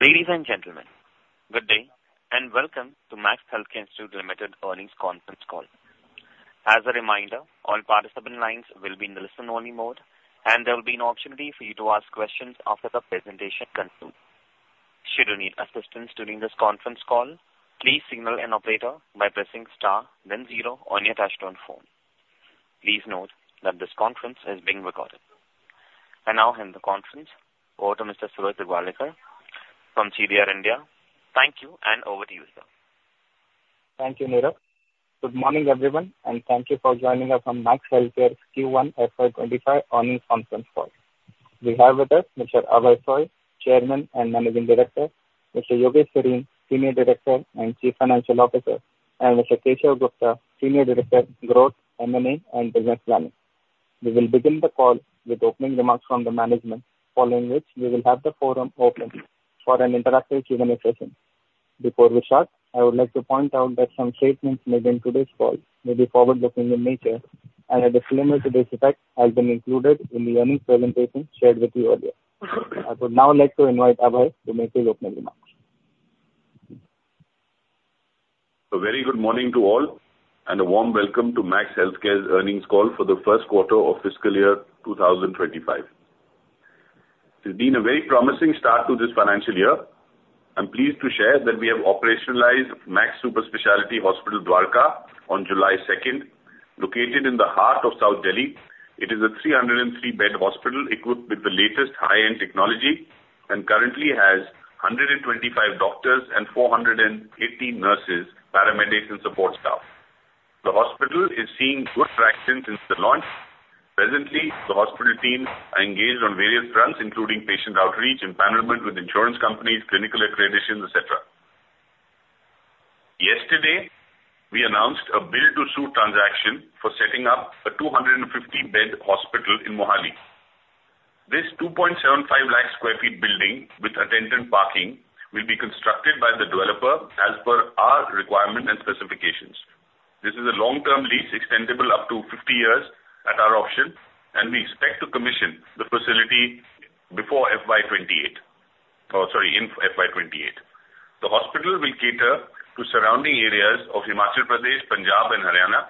Ladies and gentlemen, good day, and welcome to Max Healthcare Institute Limited Earnings Conference Call. As a reminder, all participant lines will be in the listen-only mode, and there will be an opportunity for you to ask questions after the presentation continues. Should you need assistance during this conference call, please signal an operator by pressing star, then zero on your touch-tone phone. Please note that this conference is being recorded. And now, I hand the conference over to Mr. Suraj Digawalekar from CDR India. Thank you, and over to you, sir. Thank you, Neeraj. Good morning, everyone, and thank you for joining us on Max Healthcare's Q1 FY 2025 earnings conference call. We have with us Mr. Abhay Soi, Chairman and Managing Director, Mr. Yogesh Sareen, Senior Director and Chief Financial Officer, and Mr. Keshav Gupta, Senior Director, Growth, M&A, and Business Planning. We will begin the call with opening remarks from the management, following which we will have the forum open for an interactive Q&A session. Before we start, I would like to point out that some statements made in today's call may be forward-looking in nature, and a disclaimer to this effect has been included in the earnings presentation shared with you earlier. I would now like to invite Abhay to make his opening remarks. A very good morning to all, and a warm welcome to Max Healthcare's earnings call for the first quarter of fiscal year 2025. It has been a very promising start to this financial year. I'm pleased to share that we have operationalized Max Super Speciality Hospital, Dwarka on July 2nd, located in the heart of South Delhi. It is a 303-bed hospital equipped with the latest high-end technology and currently has 125 doctors and 480 nurses, paramedics, and support staff. The hospital is seeing good traction since the launch. Presently, the hospital team is engaged on various fronts, including patient outreach, empowerment with insurance companies, clinical accreditation, et cetera. Yesterday, we announced a build-to-suit transaction for setting up a 250-bed hospital in Mohali. This 275,000 sq ft building with attendant parking will be constructed by the developer as per our requirement and specifications. This is a long-term lease extendable up to 50 years at our option, and we expect to commission the facility before FY 2028. The hospital will cater to surrounding areas of Himachal Pradesh, Punjab, and Haryana.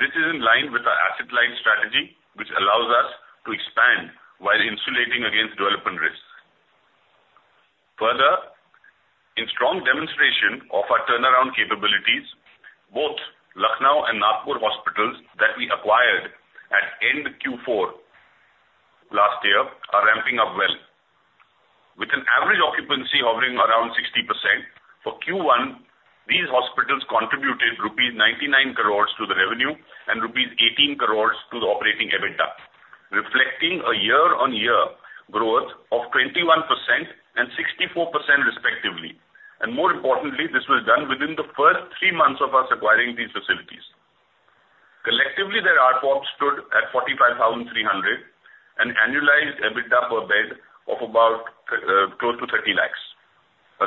This is in line with our asset line strategy, which allows us to expand while insulating against development risks. Further, in strong demonstration of our turnaround capabilities, both Lucknow and Nagpur hospitals that we acquired at end Q4 last year are ramping up well. With an average occupancy hovering around 60% for Q1, these hospitals contributed rupees 99 crores to the revenue and rupees 18 crores to the operating EBITDA, reflecting a year-on-year growth of 21% and 64%, respectively. More importantly, this was done within the first three months of us acquiring these facilities. Collectively, their ARPOB stood at 45,300 and annualized EBITDA per bed of about close to 30 lakhs.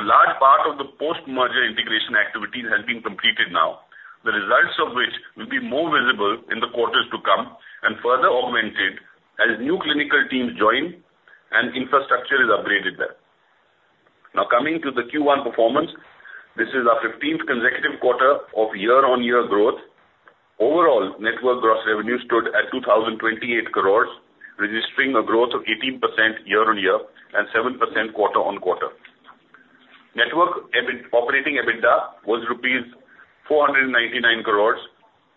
A large part of the post-merger integration activity has been completed now, the results of which will be more visible in the quarters to come and further augmented as new clinical teams join and infrastructure is upgraded there. Now, coming to the Q1 performance, this is our 15th consecutive quarter of year-on-year growth. Overall, network gross revenue stood at 2,028 crores, registering a growth of 18% year-on-year and 7% quarter-on-quarter. Network operating EBITDA was rupees 499 crores,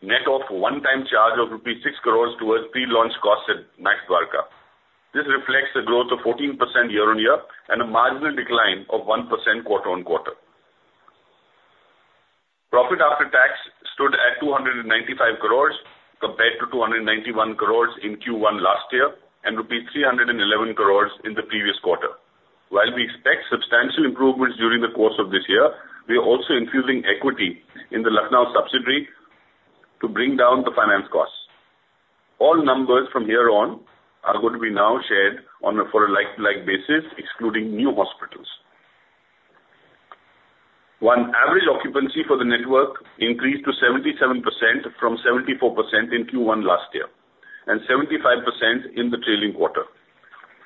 net of one-time charge of rupees 6 crores towards pre-launch costs at Max Dwarka. This reflects a growth of 14% year-on-year and a marginal decline of 1% quarter-on-quarter. Profit after tax stood at 295 crores compared to 291 crores in Q1 last year and rupees 311 crores in the previous quarter. While we expect substantial improvements during the course of this year, we are also infusing equity in the Lucknow subsidiary to bring down the finance costs. All numbers from here on are going to be now shared for a like-for-like basis, excluding new hospitals. Our average occupancy for the network increased to 77% from 74% in Q1 last year and 75% in the trailing quarter,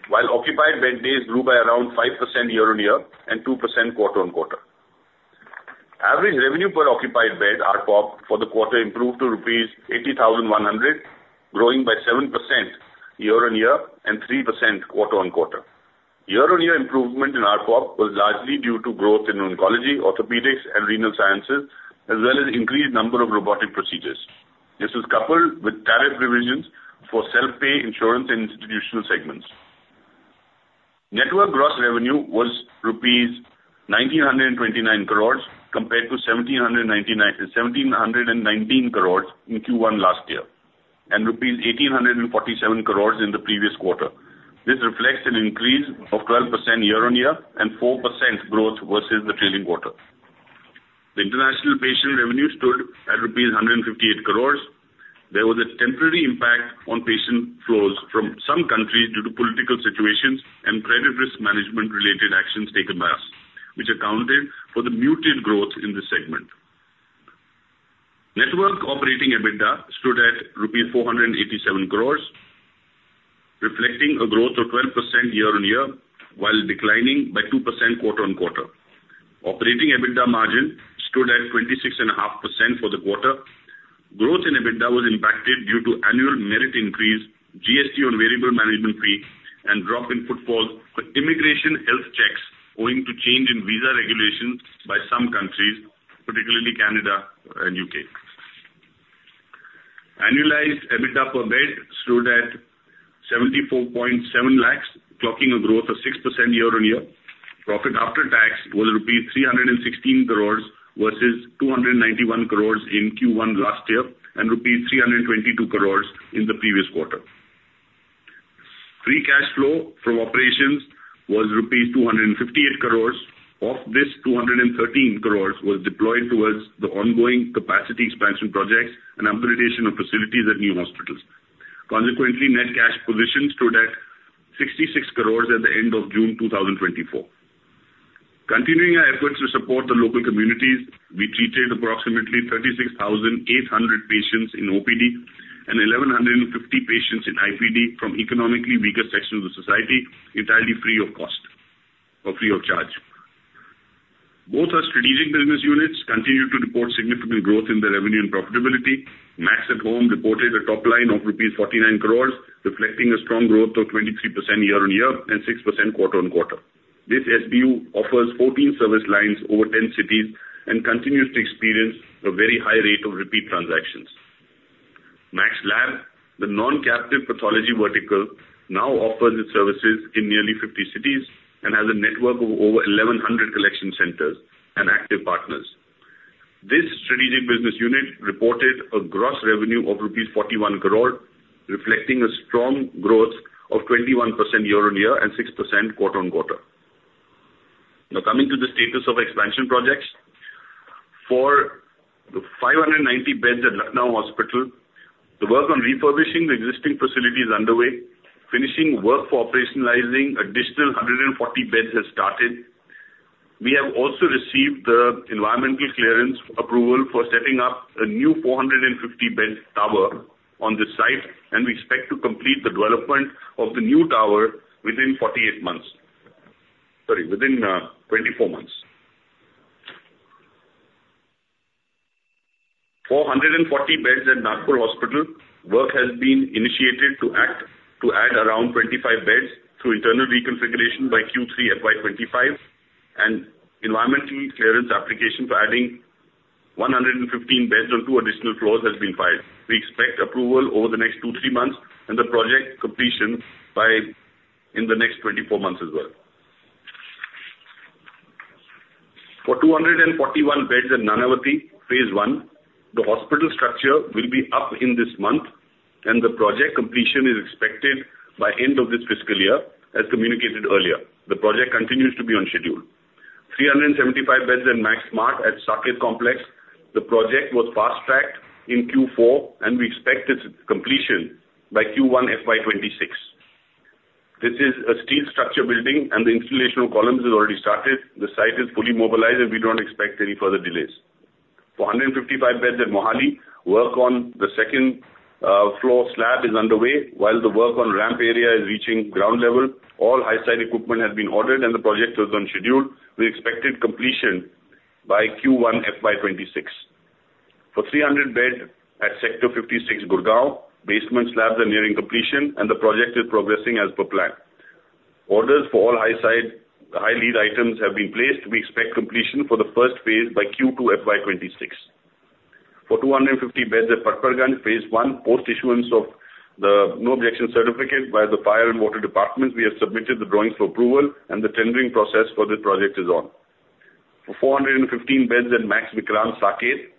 while occupied bed days grew by around 5% year-on-year and 2% quarter-on-quarter. Average revenue per occupied bed ARPOB for the quarter improved to rupees 80,100, growing by 7% year-on-year and 3% quarter-on-quarter. Year-on-year improvement in ARPOB was largely due to growth in oncology, orthopedics, and renal sciences, as well as an increased number of robotic procedures. This was coupled with tariff revisions for self-pay insurance and institutional segments. Network gross revenue was rupees 1,929 crores compared to 1,719 crores in Q1 last year and rupees 1,847 crores in the previous quarter. This reflects an increase of 12% year-over-year and 4% growth versus the trailing quarter. The international patient revenue stood at rupees 158 crores. There was a temporary impact on patient flows from some countries due to political situations and credit risk management-related actions taken by us, which accounted for the muted growth in this segment. Network operating EBITDA stood at rupees 487 crores, reflecting a growth of 12% year-over-year while declining by 2% quarter-over-quarter. Operating EBITDA margin stood at 26.5% for the quarter. Growth in EBITDA was impacted due to annual merit increase, GST on variable management fee, and drop in footfall for immigration health checks owing to change in visa regulations by some countries, particularly Canada and U.K. Annualized EBITDA per bed stood at 74.7 lakhs, clocking a growth of 6% year-on-year. Profit after tax was 316 crores versus 291 crores in Q1 last year and 322 crores in the previous quarter. Free cash flow from operations was rupees 258 crores. Of this, 213 crores was deployed towards the ongoing capacity expansion projects and upgradation of facilities at new hospitals. Consequently, net cash position stood at 66 crores at the end of June 2024. Continuing our efforts to support the local communities, we treated approximately 36,800 patients in OPD and 1,150 patients in IPD from economically weaker sections of society, entirely free of cost or free of charge. Both our strategic business units continued to report significant growth in their revenue and profitability. Max at Home reported a top line of rupees 49 crores, reflecting a strong growth of 23% year-on-year and 6% quarter-on-quarter. This SBU offers 14 service lines over 10 cities and continues to experience a very high rate of repeat transactions. Max Lab, the non-captive pathology vertical, now offers its services in nearly 50 cities and has a network of over 1,100 collection centers and active partners. This strategic business unit reported a gross revenue of rupees 41 crore, reflecting a strong growth of 21% year-on-year and 6% quarter-on-quarter. Now, coming to the status of expansion projects. For the 590 beds at Lucknow Hospital, the work on refurbishing the existing facility is underway. Finishing work for operationalizing additional 140 beds has started. We have also received the environmental clearance approval for setting up a new 450-bed tower on this site, and we expect to complete the development of the new tower within 48 months, sorry, within 24 months. For 140 beds at Nagpur Hospital, work has been initiated to add around 25 beds through internal reconfiguration by Q3 FY 2025, and environmental clearance application for adding 115 beds on two additional floors has been filed. We expect approval over the next 2-3 months and the project completion by in the next 24 months as well. For 241 beds at Nanavati, Phase 1, the hospital structure will be up in this month, and the project completion is expected by end of this fiscal year, as communicated earlier. The project continues to be on schedule. 375 beds at Max Smart at Saket Complex. The project was fast-tracked in Q4, and we expect its completion by Q1 FY 2026. This is a steel structure building, and the installation of columns has already started. The site is fully mobilized, and we don't expect any further delays. For 155 beds at Mohali, work on the second-floor slab is underway. While the work on ramp area is reaching ground level, all high-side equipment has been ordered, and the project was on schedule. We expected completion by Q1 FY 2026. For 300 beds at Sector 56, Gurgaon, basement slabs are nearing completion, and the project is progressing as per plan. Orders for all long-lead items have been placed. We expect completion for the first phase by Q2 FY 2026. For 250 beds at Patparganj, Phase 1, post-issuance of the no-objection certificate by the Fire and Water Department, we have submitted the drawings for approval, and the tendering process for this project is on. For 415 beds at Max Vikrant Saket,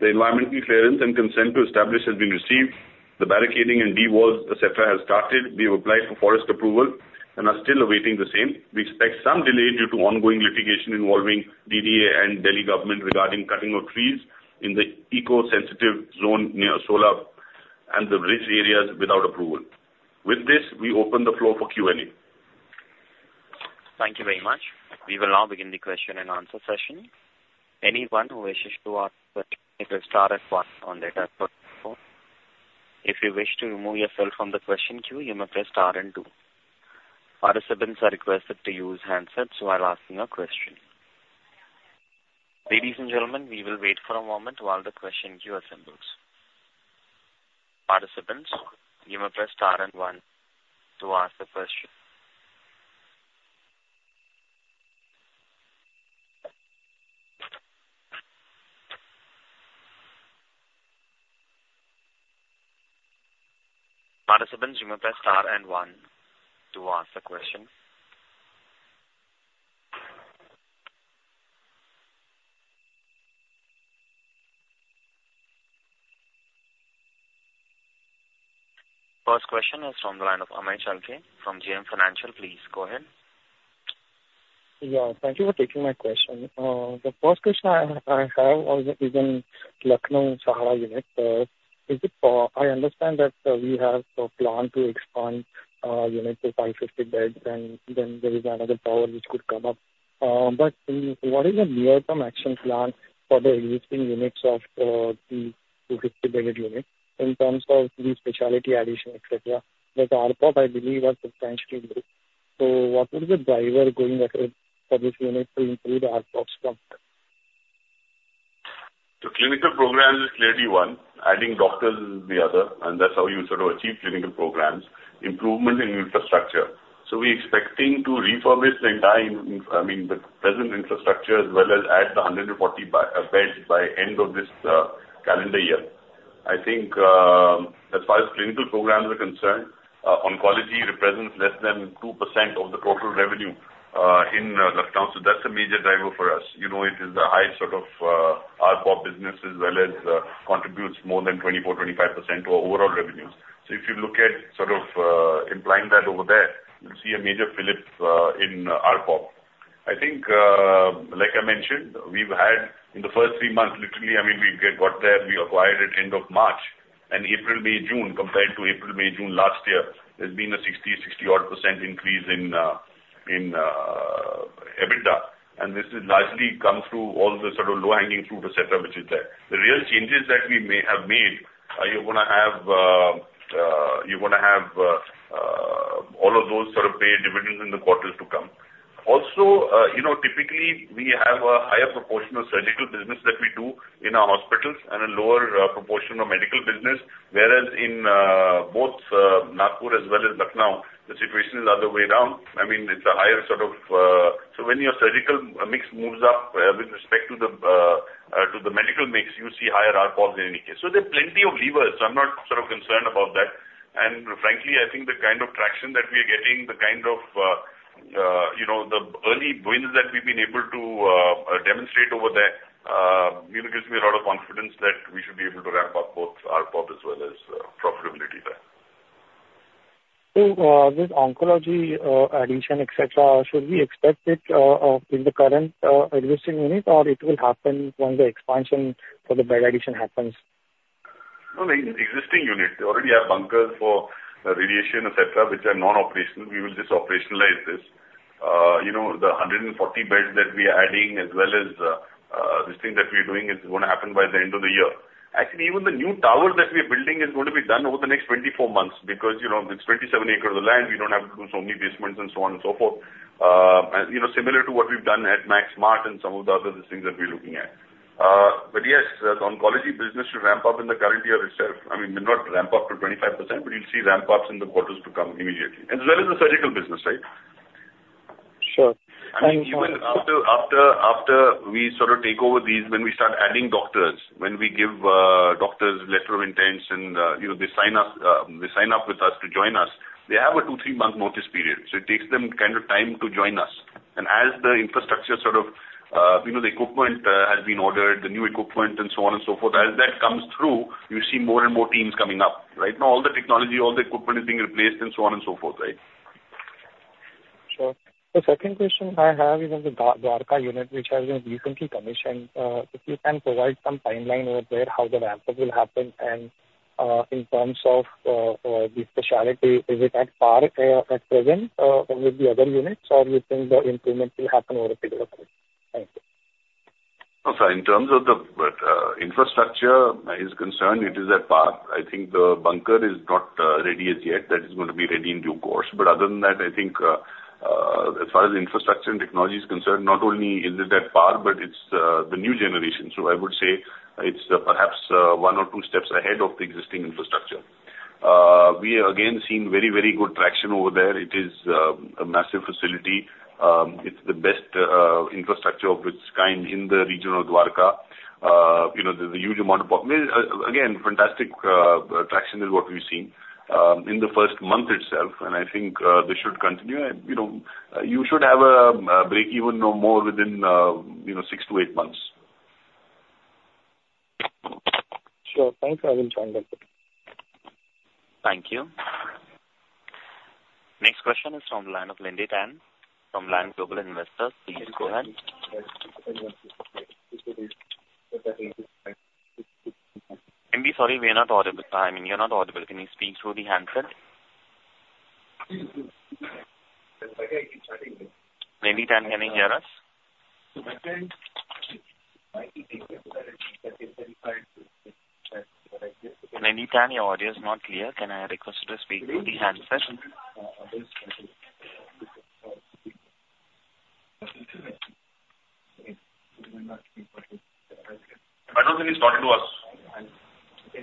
the environmental clearance and consent to establish has been received. The barricading and D-walls, et cetera, have started. We have applied for forest approval and are still awaiting the same. We expect some delay due to ongoing litigation involving DDA and Delhi government regarding cutting of trees in the eco-sensitive zone near Asola and the Ridge areas without approval. With this, we open the floor for Q&A. Thank you very much. We will now begin the question and answer session. Anyone who wishes to ask the question may press star and one on their desktop phone. If you wish to remove yourself from the question queue, you may press star and two. Participants are requested to use handsets while asking a question. Ladies and gentlemen, we will wait for a moment while the question queue assembles. Participants, you may press star and one to ask the question. Participants, you may press star and one to ask the question. First question is from the line of Amey Chalke from JM Financial. Please go ahead. Yeah, thank you for taking my question. The first question I have is in Lucknow Sahara unit. I understand that we have planned to expand units to 550 beds, and then there is another tower which could come up. But what is the near-term action plan for the existing units of the 250-bed unit in terms of the specialty addition, et cetera? The ARPOB, I believe, was substantially low. So what would be the driver going ahead for this unit to improve ARPOB's function? The clinical program is clearly one. Adding doctors is the other, and that's how you sort of achieve clinical programs. Improvement in infrastructure. So we are expecting to refurbish the entire, I mean, the present infrastructure as well as add the 140 beds by end of this calendar year. I think as far as clinical programs are concerned, oncology represents less than 2% of the total revenue in Lucknow, so that's a major driver for us. You know, it is a high sort of ARPOB business as well as contributes more than 24%-25% to our overall revenues. So if you look at sort of implying that over there, you'll see a major flip in ARPOB. I think, like I mentioned, we've had in the first three months, literally, I mean, we got there, we acquired it end of March, and April, May, June, compared to April, May, June last year, there's been a 60, 60-odd% increase in EBITDA, and this has largely come through all the sort of low-hanging fruit, et cetera, which is there. The real changes that we may have made, you're going to have all of those sort of pay dividends in the quarters to come. Also, you know, typically, we have a higher proportion of surgical business that we do in our hospitals and a lower proportion of medical business, whereas in both Nagpur as well as Lucknow, the situation is the other way around. I mean, it's a higher sort of, so when your surgical mix moves up with respect to the medical mix, you see higher ARPOBs in any case. So there are plenty of levers, so I'm not sort of concerned about that. And frankly, I think the kind of traction that we are getting, the kind of, you know, the early wins that we've been able to demonstrate over there, it gives me a lot of confidence that we should be able to ramp up both ARPOB as well as profitability there. This oncology addition, et cetera, should we expect it in the current existing unit, or it will happen when the expansion for the bed addition happens? No, the existing unit, we already have bunkers for radiation, et cetera, which are non-operational. We will just operationalize this. You know, the 140 beds that we are adding, as well as this thing that we are doing, is going to happen by the end of the year. Actually, even the new tower that we are building is going to be done over the next 24 months because, you know, it's 27 acres of land. We don't have to do so many basements and so on and so forth, you know, similar to what we've done at Max Smart and some of the other things that we're looking at. But yes, the oncology business should ramp up in the current year itself. I mean, it will not ramp up to 25%, but you'll see ramp-ups in the quarters to come immediately, as well as the surgical business, right? Sure. Thank you. And even after we sort of take over these, when we start adding doctors, when we give doctors letters of intent and, you know, they sign up with us to join us, they have a 2-3-month notice period. So it takes them kind of time to join us. And as the infrastructure sort of, you know, the equipment has been ordered, the new equipment, and so on and so forth, as that comes through, you see more and more teams coming up, right? Now, all the technology, all the equipment is being replaced and so on and so forth, right? Sure. The second question I have, you know, the Dwarka unit, which has been recently commissioned, if you can provide some timeline over where how the ramp-up will happen and in terms of the specialty, is it at par at present with the other units, or you think the improvement will happen over a period of time? Thank you. No, sir, in terms of the infrastructure is concerned, it is at par. I think the bunker is not ready as yet. That is going to be ready in due course. But other than that, I think as far as infrastructure and technology is concerned, not only is it at par, but it's the new generation. So I would say it's perhaps one or two steps ahead of the existing infrastructure. We have again seen very, very good traction over there. It is a massive facility. It's the best infrastructure of its kind in the region of Dwarka. You know, there's a huge amount of, again, fantastic traction is what we've seen in the first month itself, and I think this should continue. You know, you should have a break even no more within, you know, six to eight months. Sure. Thanks for having joined us. Thank you. Next question is from the line of Lindi Tan, from Lion Global Investors. Please go ahead. Yes. Lindy, sorry, we're not audible. I mean, you're not audible. Can you speak through the handset? Lindi Tan, can you hear us? Lindi Tan, your audio is not clear. Can I request you to speak through the handset? I don't think he's talking to us.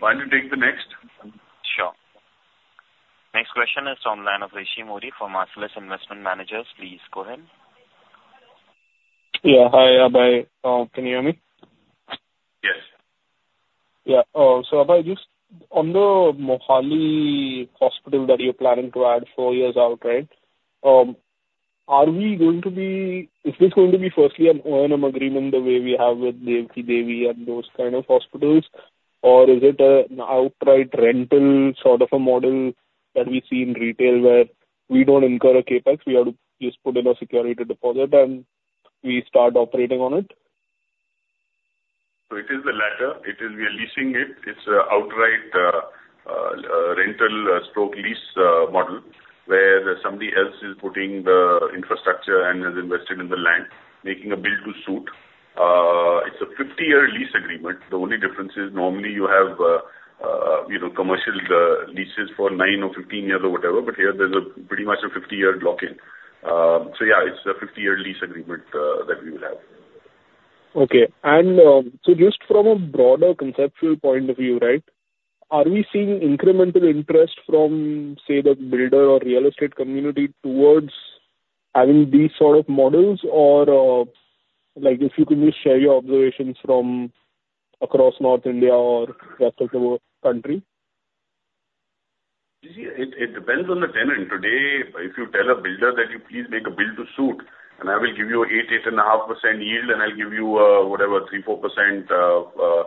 Why don't you take the next? Sure. Next question is from the line of Rishi Mody for Marcellus Investment Managers. Please go ahead. Yeah, hi. Abhay, can you hear me? Yes. Yeah. So Abhay, just on the Mohali hospital that you're planning to add four years out, right, are we going to be, is this going to be firstly an O&M agreement the way we have with Devki Devi and those kind of hospitals, or is it an outright rental sort of a model that we see in retail where we don't incur a CapEx? We are just put in a security deposit and we start operating on it? So it is the latter. It is, we are leasing it. It's an outright rental/lease model where somebody else is putting the infrastructure and has invested in the land, making a built-to-suit. It's a 50-year lease agreement. The only difference is normally you have, you know, commercial leases for 9 or 15 years or whatever, but here there's pretty much a 50-year lock-in. So yeah, it's a 50-year lease agreement that we will have. Okay. Just from a broader conceptual point of view, right, are we seeing incremental interest from, say, the builder or real estate community towards having these sort of models, or like if you can just share your observations from across North India or rest of the country? You see, it depends on the tenant. Today, if you tell a builder that you please make a bill-to-suit, and I will give you 8, 8.5% yield, and I'll give you whatever, 3, 4%,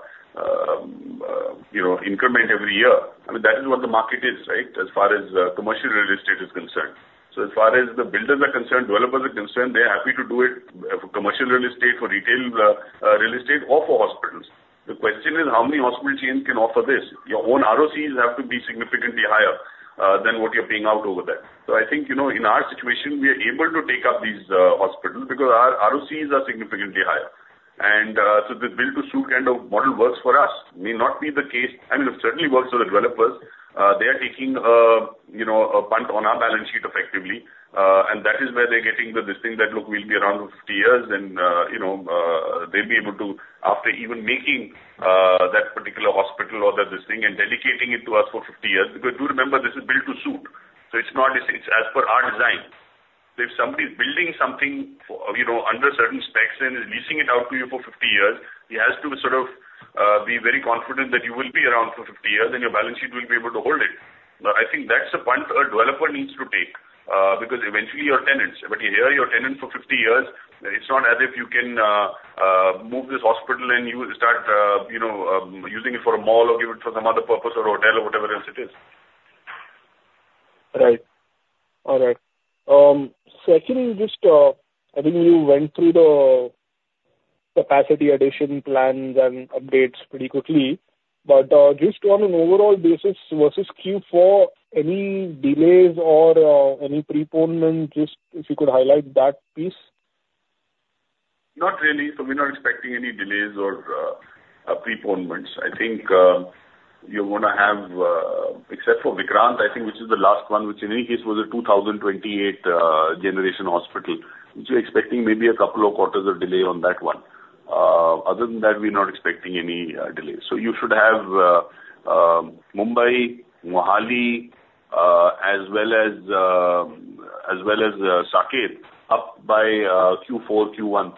you know, increment every year. I mean, that is what the market is, right, as far as commercial real estate is concerned. So as far as the builders are concerned, developers are concerned, they're happy to do it for commercial real estate, for retail real estate, or for hospitals. The question is how many hospital chains can offer this? Your own ROCEs have to be significantly higher than what you're paying out over there. So I think, you know, in our situation, we are able to take up these hospitals because our ROCEs are significantly higher. And so the bill-to-suit kind of model works for us. It may not be the case, I mean, it certainly works for the developers. They are taking, you know, a punt on our balance sheet effectively, and that is where they're getting the listing that, look, we'll be around for 50 years, and, you know, they'll be able to, after even making that particular hospital or that listing and dedicating it to us for 50 years. Because do remember, this is built-to-suit. So it's not, it's as per our design. So if somebody's building something, you know, under certain specs and is leasing it out to you for 50 years, he has to sort of be very confident that you will be around for 50 years and your balance sheet will be able to hold it. Now, I think that's a punt a developer needs to take because eventually you're tenants. But you are a tenant for 50 years, it's not as if you can move this hospital and you start, you know, using it for a mall or give it for some other purpose or hotel or whatever else it is. Right. All right. Secondly, just I think you went through the capacity addition plans and updates pretty quickly, but just on an overall basis versus Q4, any delays or any preponement, just if you could highlight that piece? Not really. So we're not expecting any delays or preponements. I think you're going to have, except for Vikrant, I think, which is the last one, which in any case was a 2028 generation hospital, which we're expecting maybe a couple of quarters of delay on that one. Other than that, we're not expecting any delays. So you should have Mumbai, Mohali, as well as Saket up by Q4, Q1.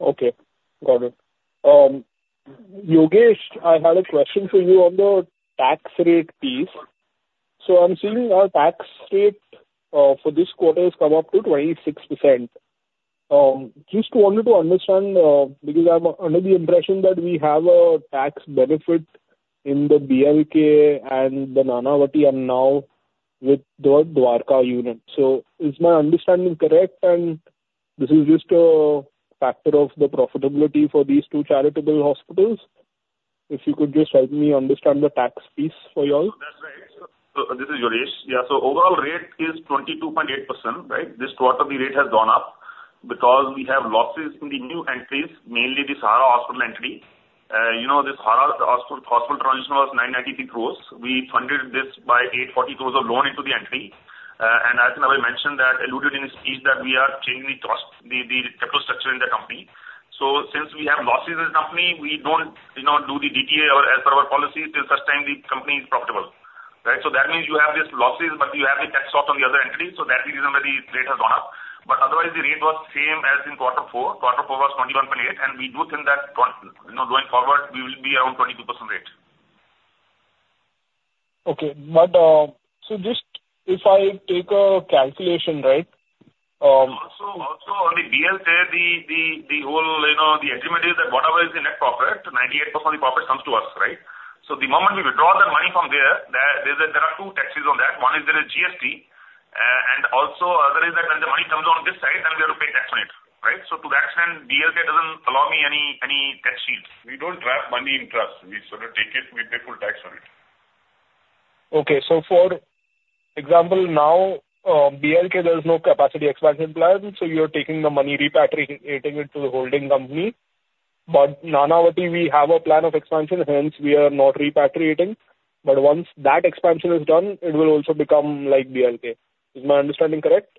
Okay. Got it. Yogesh, I had a question for you on the tax rate piece. So I'm seeing our tax rate for this quarter has come up to 26%. Just wanted to understand because I'm under the impression that we have a tax benefit in the BLK and the Nanavati and now with the Dwarka unit. So is my understanding correct? And this is just a factor of the profitability for these two charitable hospitals. If you could just help me understand the tax piece for y'all. That's right. So this is Yogesh. Yeah. So overall rate is 22.8%, right? This quarter, the rate has gone up because we have losses in the new entities, mainly this Sahara hospital entity. You know, this Sahara hospital transition was 993 crore. We funded this by 840 crore of loan into the entity. And as I mentioned, that Abhay alluded to in his speech that we are changing the capital structure in the company. So since we have losses in the company, we don't, you know, do the DTA as per our policy till such time the company is profitable, right? So that means you have these losses, but you have the tax loss on the other entity. So that is the reason why the rate has gone up. But otherwise, the rate was the same as in Q4. Q4 was 21.8, and we do think that, you know, going forward, we will be around 22% rate. Okay. But so just if I take a calculation, right? Also, on the BLK, the whole, you know, the agreement is that whatever is the net profit, 98% of the profit comes to us, right? So the moment we withdraw that money from there, there are two taxes on that. One is there is GST, and also the other is that when the money comes on this side, then we have to pay tax on it, right? So to that extent, BLK doesn't allow me any tax shield. We don't park money in trust. We sort of take it, we pay full tax on it. Okay. So for example, now BLK, there's no capacity expansion plan, so you're taking the money, repatriating it to the holding company. But Nanavati, we have a plan of expansion, hence we are not repatriating. But once that expansion is done, it will also become like BLK. Is my understanding correct?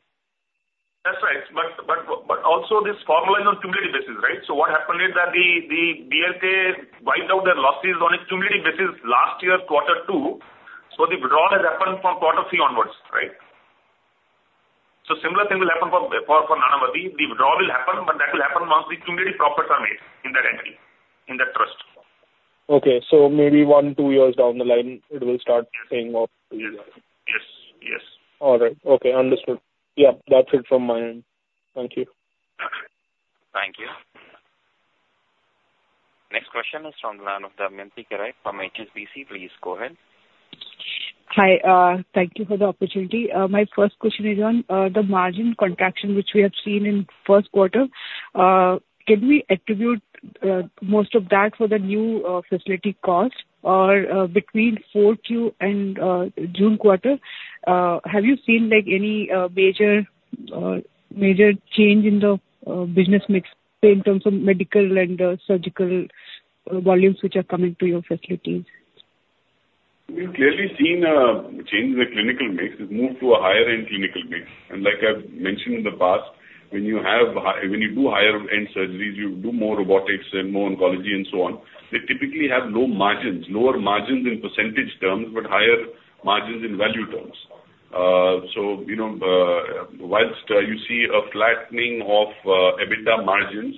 That's right. But also this formula is on cumulative basis, right? So what happened is that the BLK wiped out their losses on a cumulative basis last year, quarter two. So the withdrawal has happened from quarter three onwards, right? So similar thing will happen for Nanavati. The withdrawal will happen, but that will happen once the cumulative profits are made in that entry, in that trust. Okay. So maybe 1, 2 years down the line, it will start paying off? Yes. Yes. All right. Okay. Understood. Yeah. That's it from my end. Thank you. Thank you. Next question is from the line of Damayanti Kerai from HSBC. Please go ahead. Hi. Thank you for the opportunity. My first question is on the margin contraction, which we have seen in first quarter. Can we attribute most of that for the new facility cost or between Q4 and June quarter? Have you seen like any major change in the business mix in terms of medical and surgical volumes which are coming to your facilities? We've clearly seen a change in the clinical mix. It's moved to a higher-end clinical mix. And like I've mentioned in the past, when you do higher-end surgeries, you do more robotics and more oncology and so on, they typically have low margins, lower margins in percentage terms, but higher margins in value terms. So, you know, while you see a flattening of EBITDA margins,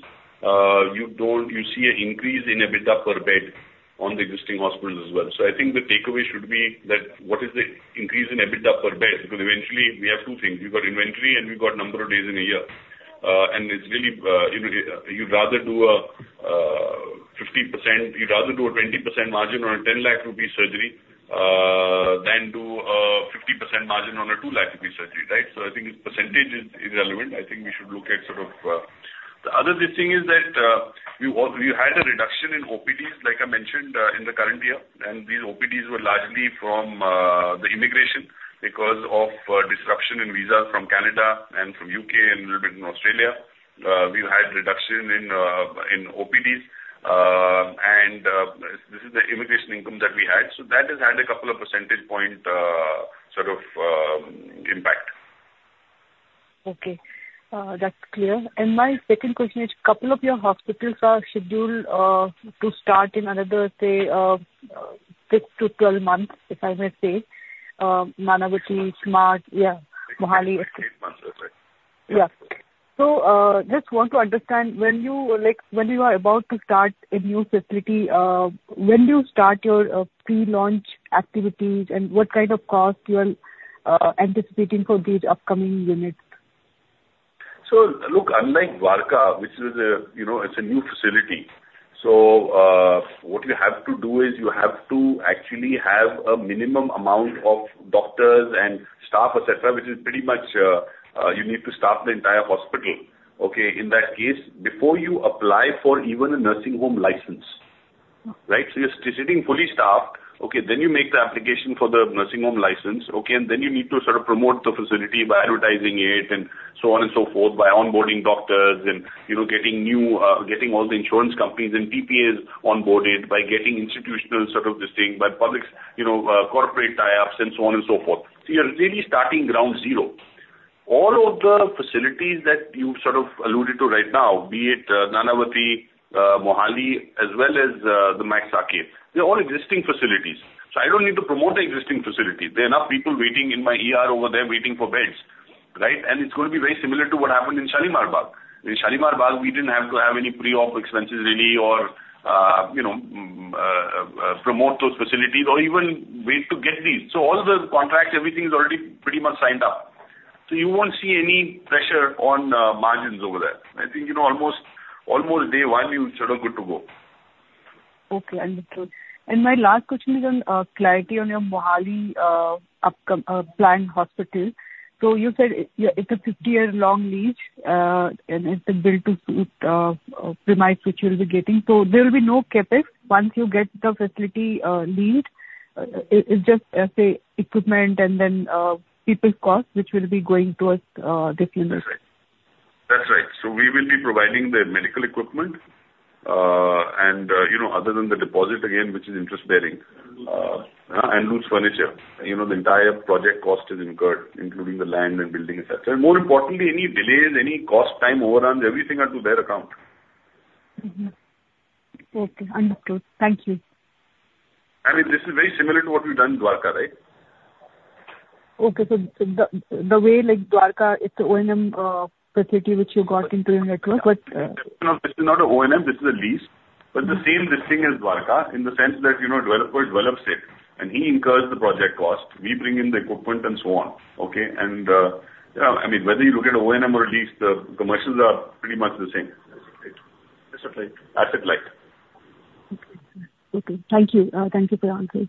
you don't, you see an increase in EBITDA per bed on the existing hospitals as well. So I think the takeaway should be that what is the increase in EBITDA per bed? Because eventually we have two things. We've got inventory and we've got number of days in a year. And it's really, you know, you'd rather do a 50%, you'd rather do a 20% margin on a 10 lakh rupee surgery than do a 50% margin on a 2 lakh rupee surgery, right? So I think percentage is relevant. I think we should look at sort of the other thing is that we had a reduction in OPDs, like I mentioned, in the current year. And these OPDs were largely from the immigration because of disruption in visas from Canada and from U.K. and a little bit in Australia. We've had reduction in OPDs, and this is the immigration income that we had. So that has had a couple of percentage point sort of impact. Okay. That's clear. My second question is, a couple of your hospitals are scheduled to start in another, say, 6-12 months, if I may say, Nanavati, Smart, yeah, Mohali. 6-8 months, that's right. Yeah. So just want to understand when you, like, when you are about to start a new facility, when do you start your pre-launch activities and what kind of cost you are anticipating for these upcoming units? So look, unlike Dwarka, which is a, you know, it's a new facility. So what you have to do is you have to actually have a minimum amount of doctors and staff, et cetera, which is pretty much you need to staff the entire hospital, okay, in that case, before you apply for even a nursing home license, right? So you're sitting fully staffed, okay, then you make the application for the nursing home license, okay, and then you need to sort of promote the facility by advertising it and so on and so forth, by onboarding doctors and, you know, getting new, getting all the insurance companies and TPAs onboarded, by getting institutional sort of this thing, by public, you know, corporate tie-ups and so on and so forth. So you're really starting ground zero. All of the facilities that you've sort of alluded to right now, be it Nanavati, Mohali, as well as the Max Healthcare, they're all existing facilities. So I don't need to promote existing facilities. There are enough people waiting in Mumbai over there waiting for beds, right? And it's going to be very similar to what happened in Shalimar Bagh. In Shalimar Bagh, we didn't have to have any pre-op expenses really or, you know, promote those facilities or even wait to get these. So all the contracts, everything is already pretty much signed up. So you won't see any pressure on margins over there. I think, you know, almost, almost day one, you're sort of good to go. Okay. Understood. My last question is on claritY-on-Your Mohali planned hospital. So you said it's a 50-year-long lease, and it's a built-to-suit premises which you'll be getting. So there will be no CapEx once you get the facility leased. It's just, let's say, equipment and then people's costs which will be going towards this unit. That's right. That's right. So we will be providing the medical equipment and, you know, other than the deposit again, which is interest-bearing and loose furniture, you know, the entire project cost is incurred, including the land and building, et cetera. And more importantly, any delays, any cost, time overruns, everything are to their account. Okay. Understood. Thank you. I mean, this is very similar to what we've done in Dwarka, right? Okay. So the way, like, Dwarka, it's an O&M facility which you got into your network, but. This is not an O&M. This is a lease. But the same listing as Dwarka in the sense that, you know, developer develops it, and he incurs the project cost. We bring in the equipment and so on, okay? And, you know, I mean, whether you look at O&M or a lease, the commercials are pretty much the same. That's it, right? That's it, right? Okay. Thank you. Thank you for your answers.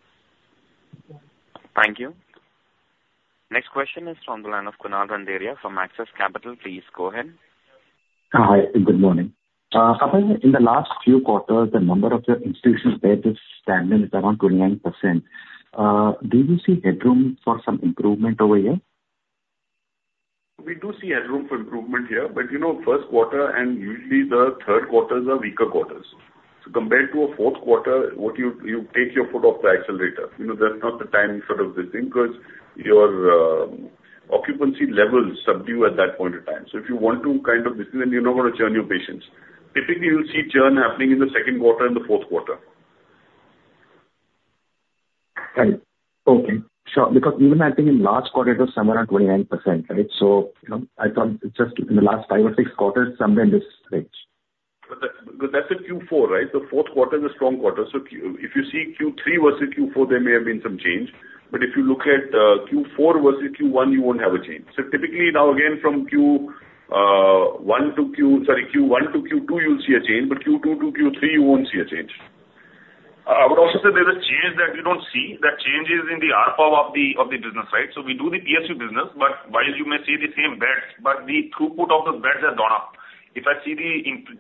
Thank you. Next question is from the line of Kunal Randeria from Axis Capital. Please go ahead. Hi. Good morning. In the last few quarters, the number of your institutional beds is standing, it's around 29%. Do you see headroom for some improvement over here? We do see headroom for improvement here, but, you know, first quarter and usually the third quarters are weaker quarters. So compared to a fourth quarter, what you take your foot off the accelerator, you know, there's not the time sort of this thing because your occupancy level is subdued at that point in time. So if you want to kind of, this is, and you're not going to churn your patients. Typically, you'll see churn happening in the second quarter and the fourth quarter. Right. Okay. So because even I think in last quarter, it was somewhere around 29%, right? So, you know, I thought it's just in the last five or six quarters, somewhere in this range. But that's at Q4, right? The fourth quarter is a strong quarter. So if you see Q3 versus Q4, there may have been some change. But if you look at Q4 versus Q1, you won't have a change. So typically now, again, from Q1 to Q, sorry, Q1 to Q2, you'll see a change, but Q2 to Q3, you won't see a change. I would also say there's a change that you don't see. That change is in the ARPOB of the business, right? So we do the PSU business, but while you may see the same beds, but the throughput of those beds has gone up. If I see the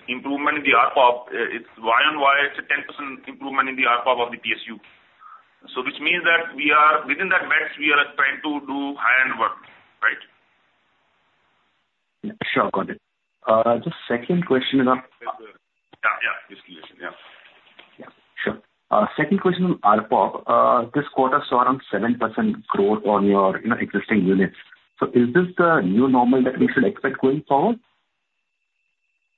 improvement in the ARPOB, it's Y-on-Y, it's a 10% improvement in the ARPOB of the PSU. So which means that we are within that beds, we are trying to do high-end work, right? Sure. Got it. Just second question about. Yeah. Yeah. This question. Yeah. Yeah. Sure. Second question on ARPOB, this quarter saw around 7% growth on your, you know, existing units. So is this the new normal that we should expect going forward?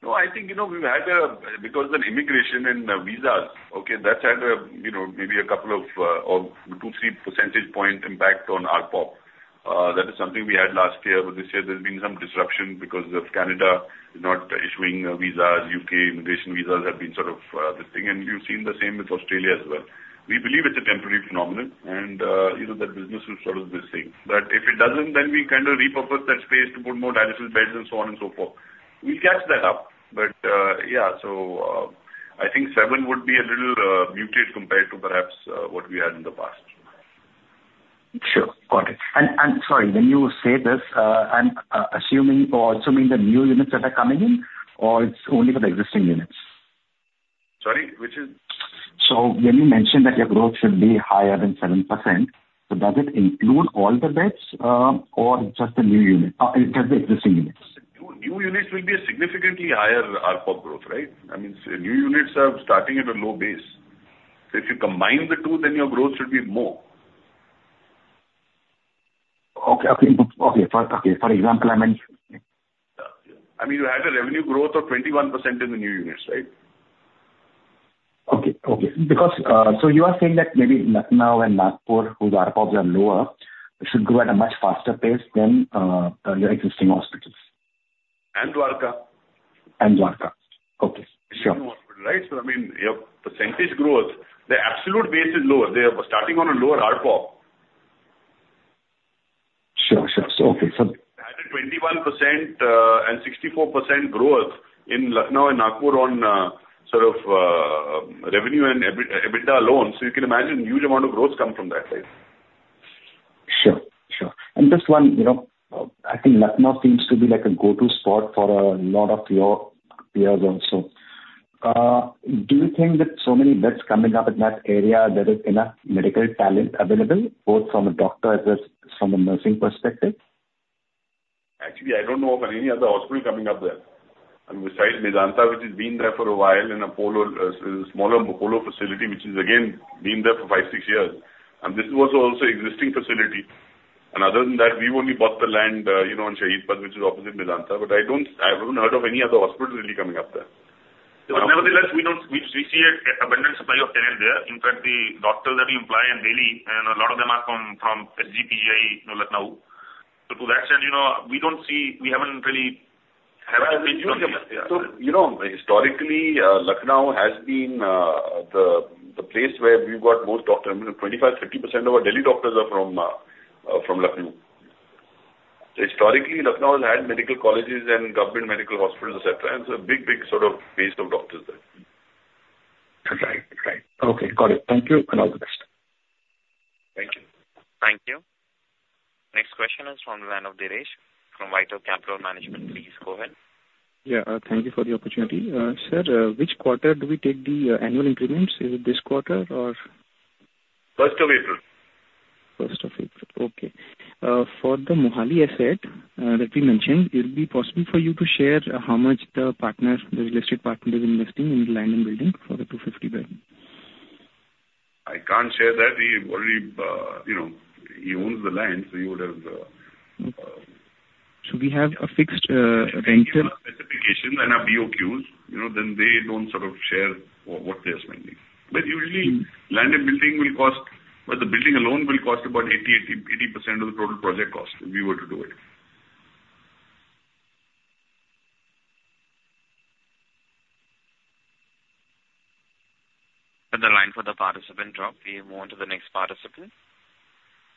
No, I think, you know, we've had a, because of immigration and visas, okay, that's had a, you know, maybe a couple of 2-3 percentage point impact on ARPOB. That is something we had last year, but this year there's been some disruption because of Canada not issuing visas, U.K. immigration visas have been sort of this thing, and we've seen the same with Australia as well. We believe it's a temporary phenomenon, and, you know, that business is sort of this thing. But if it doesn't, then we kind of repurpose that space to put more IPD beds and so on and so forth. We'll catch that up, but yeah. So I think seven would be a little muted compared to perhaps what we had in the past. Sure. Got it. Sorry, when you say this, I'm assuming the new units that are coming in, or it's only for the existing units? Sorry? Which is? So when you mentioned that your growth should be higher than 7%, so does it include all the beds or just the new units? It has the existing units. New units will be a significantly higher ARPOB growth, right? I mean, new units are starting at a low base. So if you combine the two, then your growth should be more. Okay. Okay. Okay. Okay. For example, I mean. I mean, you had a revenue growth of 21% in the new units, right? Okay. Okay. Because so you are saying that maybe Lucknow and Nagpur, whose ARPOBs are lower, should grow at a much faster pace than your existing hospitals? And Dwarka. Dwarka. Okay. Sure. Right? So I mean, your percentage growth, the absolute base is lower. They're starting on a lower ARPOB. Sure. Sure. So okay. So. Had a 21% and 64% growth in Lucknow and Nagpur on sort of revenue and EBITDA alone. So you can imagine a huge amount of growth comes from that, right? Sure. Sure. Just one, you know, I think Lucknow seems to be like a go-to spot for a lot of your peers also. Do you think that so many beds coming up in that area, there is enough medical talent available, both from a doctor as well as from a nursing perspective? Actually, I don't know of any other hospital coming up there. I mean, besides Medanta, which has been there for a while and a smaller, smaller Mukholo facility, which has again been there for five, six years. And this was also an existing facility. And other than that, we've only bought the land, you know, in Shaheed Path, which is opposite Medanta, but I don't, I haven't heard of any other hospital really coming up there. But nevertheless, we don't, we see an abundant supply of talent there. In fact, the doctors that we employ are daily, and a lot of them are from SGPGI, you know, Lucknow. So to that end, you know, we don't see, we haven't really had. So you know, historically, Lucknow has been the place where we've got most doctors. I mean, 25%-30% of our daily doctors are from Lucknow. Historically, Lucknow has had medical colleges and government medical hospitals, et cetera, and so a big, big sort of base of doctors there. Right. Right. Okay. Got it. Thank you. And all the best. Thank you. Thank you. Next question is from the line of Dheeresh from WhiteOak Capital Management. Please go ahead. Yeah. Thank you for the opportunity. Sir, which quarter do we take the annual increments? Is it this quarter or? First of April. First of April. Okay. For the Mohali asset that we mentioned, it would be possible for you to share how much the partner, the listed partner, is investing in the land and building for the 250-bed? I can't share that. He already, you know, he owns the land, so he would have. We have a fixed rental. Specifications and have BOQs, you know, then they don't sort of share what they are spending. But usually, land and building will cost, but the building alone will cost about 80% of the total project cost if we were to do it. The line for the participant drop. We move on to the next participant.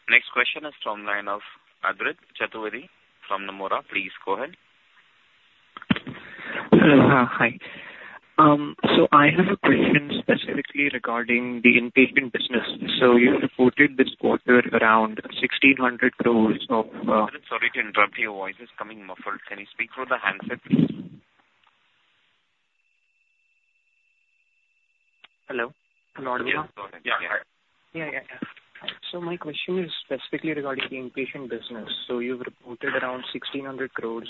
Next question is from the line of Adrit Chaturvedi from Nomura. Please go ahead. Hi. So I have a question specifically regarding the improvement business. So you reported this quarter around 1,600 crore of. Sorry to interrupt you. Voice is coming muffled. Can you speak through the handset, please? Hello? Hello. Yeah. Yeah. Yeah. Yeah. Yeah. So my question is specifically regarding the inpatient business. So you've reported around 1,600 crore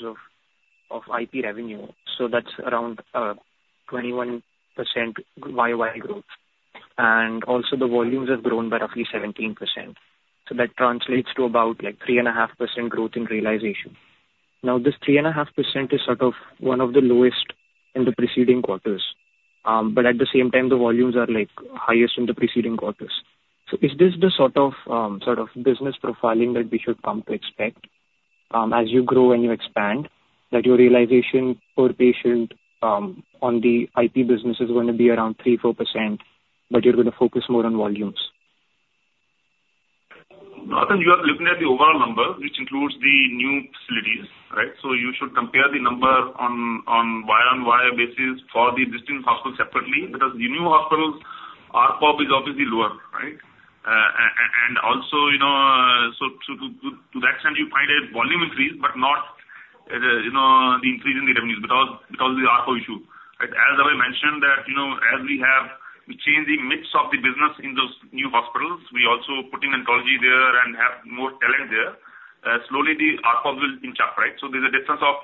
of IP revenue. So that's around 21% YY growth. And also, the volumes have grown by roughly 17%. So that translates to about like 3.5% growth in realization. Now, this 3.5% is sort of one of the lowest in the preceding quarters. But at the same time, the volumes are like highest in the preceding quarters. So is this the sort of sort of business profiling that we should come to expect as you grow and you expand, that your realization per patient on the IP business is going to be around 3%-4%, but you're going to focus more on volumes? No, because you are looking at the overall number, which includes the new facilities, right? So you should compare the number on Y-on-Y basis for the existing hospital separately because the new hospital ARPOB is obviously lower, right? And also, you know, so to that extent, you find a volume increase, but not, you know, the increase in the revenues because of the ARPOB issue. As I mentioned, that, you know, as we have changed the mix of the business in those new hospitals, we also put in oncology there and have more talent there. Slowly, the ARPOB will inch up, right? So there's a difference of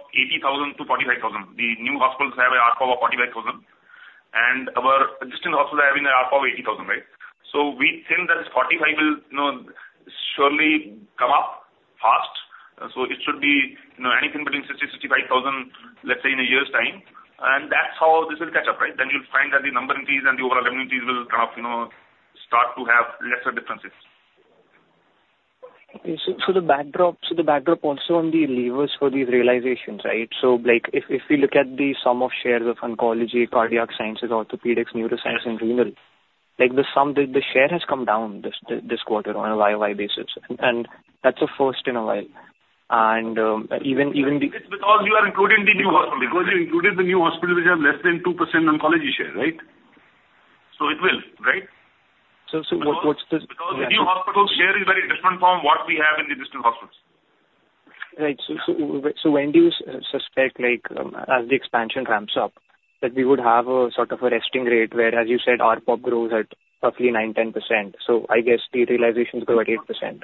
80,000-45,000. The new hospitals have an ARPOB of 45,000, and our existing hospitals have an ARPOB of 80,000, right? So we think that 45,000 will, you know, surely come up fast. It should be, you know, anything between 60-65,000, let's say in a year's time. That's how this will catch up, right? Then you'll find that the number increase and the overall revenue increase will kind of, you know, start to have lesser differences. Okay. So the backdrop, so the backdrop also on the levers for these realizations, right? So like if we look at the sum of shares of oncology, cardiac sciences, orthopedics, neuroscience, and renal, like the sum, the share has come down this quarter on a YY basis. And that's a first in a while. And even, even. Because you are including the new hospital. Because you included the new hospital, which has less than 2% oncology share, right? So it will, right? So, what's the? Because the new hospital's share is very different from what we have in the existing hospitals. Right. So when do you suspect, like as the expansion ramps up, that we would have a sort of a resting rate where, as you said, ARPOB grows at roughly 9%-10%? So I guess the realizations grow at 8%.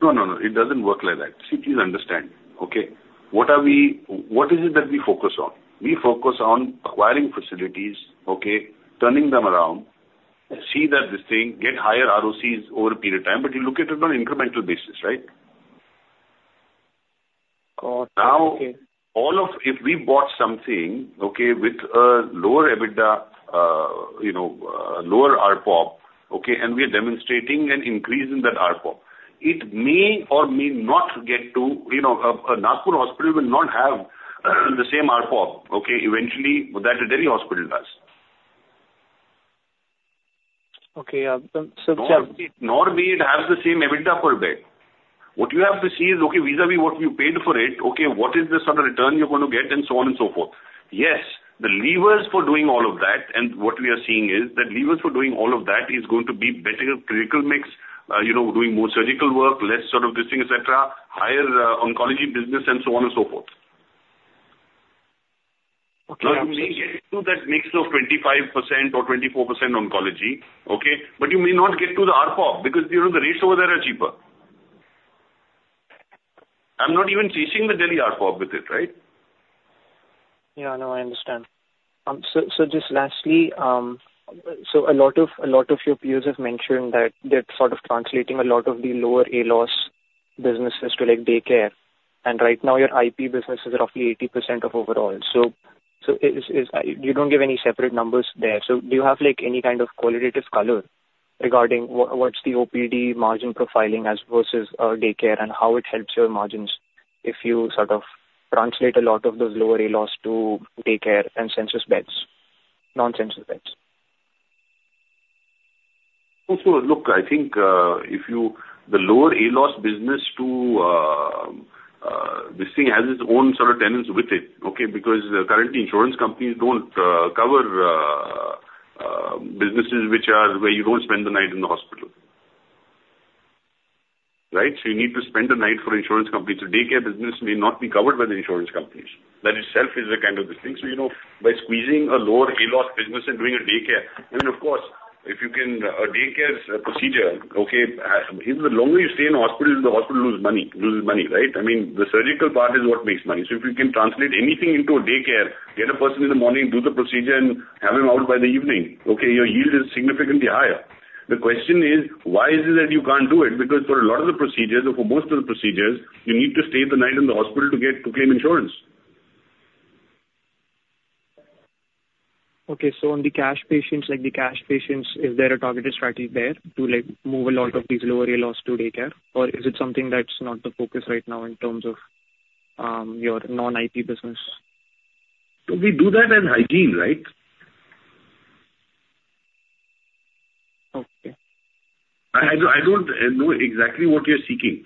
No, no, no. It doesn't work like that. So please understand, okay? What are we, what is it that we focus on? We focus on acquiring facilities, okay, turning them around, see that this thing, get higher ROCEs over a period of time, but you look at it on an incremental basis, right? Got it. Okay. Now, all of, if we bought something, okay, with a lower EBITDA, you know, lower ARPOB, okay, and we are demonstrating an increase in that ARPOB, it may or may not get to, you know, a Nagpur hospital will not have the same ARPOB, okay, eventually, but that a Delhi hospital does. Okay. Yeah. So yeah. Nor may it have the same EBITDA per bed. What you have to see is, okay, vis-à-vis what you paid for it, okay, what is the sort of return you're going to get, and so on and so forth. Yes, the levers for doing all of that, and what we are seeing is that levers for doing all of that is going to be better critical mix, you know, doing more surgical work, less sort of this thing, et cetera, higher oncology business, and so on and so forth. Okay. Now, you may get to that mix of 25% or 24% oncology, okay, but you may not get to the ARPOB because, you know, the rates over there are cheaper. I'm not even chasing the Delhi ARPOB with it, right? Yeah. No, I understand. So just lastly, so a lot of your peers have mentioned that they're sort of translating a lot of the lower ALOS businesses to like daycare. And right now, your IP business is roughly 80% of overall. So you don't give any separate numbers there. So do you have like any kind of qualitative color regarding what's the OPD margin profiling as versus daycare and how it helps your margins if you sort of translate a lot of those lower ALOS to daycare and census beds, non-census beds? Also, look, I think if you, the lower ALOS business to this thing has its own sort of tenets with it, okay, because currently insurance companies don't cover businesses which are where you don't spend the night in the hospital, right? So you need to spend the night for insurance companies. So daycare business may not be covered by the insurance companies. That itself is a kind of this thing. So, you know, by squeezing a lower ALOS business and doing a daycare, I mean, of course, if you can, a daycare's a procedure, okay, the longer you stay in the hospital, the hospital loses money, loses money, right? I mean, the surgical part is what makes money. So if you can translate anything into a daycare, get a person in the morning, do the procedure, and have him out by the evening, okay, your yield is significantly higher. The question is, why is it that you can't do it? Because for a lot of the procedures, or for most of the procedures, you need to stay the night in the hospital to claim insurance. Okay. So on the cash patients, like the cash patients, is there a targeted strategy there to like move a lot of these lower ALOS to daycare? Or is it something that's not the focus right now in terms of your non-IP business? We do that as hygiene, right? Okay. I don't know exactly what you're seeking.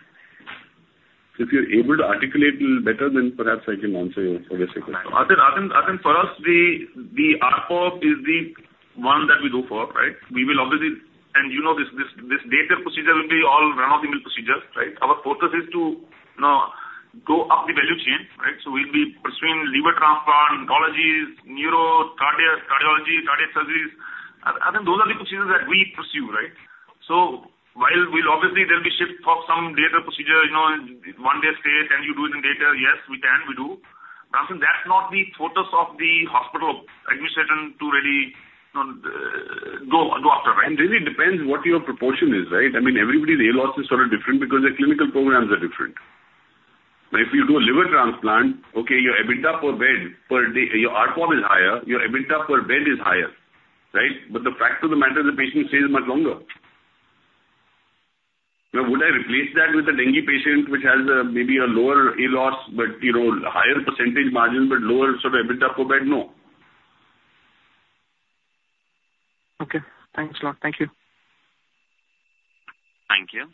If you're able to articulate a little better, then perhaps I can answer you for this question. I think for us, the ARPOB is the one that we go for, right? We will obviously, and you know, this daycare procedure will be all run-of-the-mill procedure, right? Our focus is to, you know, go up the value chain, right? So we'll be pursuing liver transplant, oncology, neuro, cardiology, cardiac surgeries. I think those are the procedures that we pursue, right? So while we'll obviously, there'll be shift of some daycare procedure, you know, one day stay, can you do it in daycare? Yes, we can. We do. But I think that's not the focus of the hospital administration to really, you know, go after, right? And really, it depends what your proportion is, right? I mean, everybody's ALOS is sort of different because their clinical programs are different. But if you do a liver transplant, okay, your EBITDA per bed, per day, your ARPOB is higher, your EBITDA per bed is higher, right? But the fact of the matter is the patient stays much longer. Now, would I replace that with a dengue patient which has maybe a lower ALOS, but, you know, higher percentage margin, but lower sort of EBITDA per bed? No. Okay. Thanks, sir. Thank you. Thank you.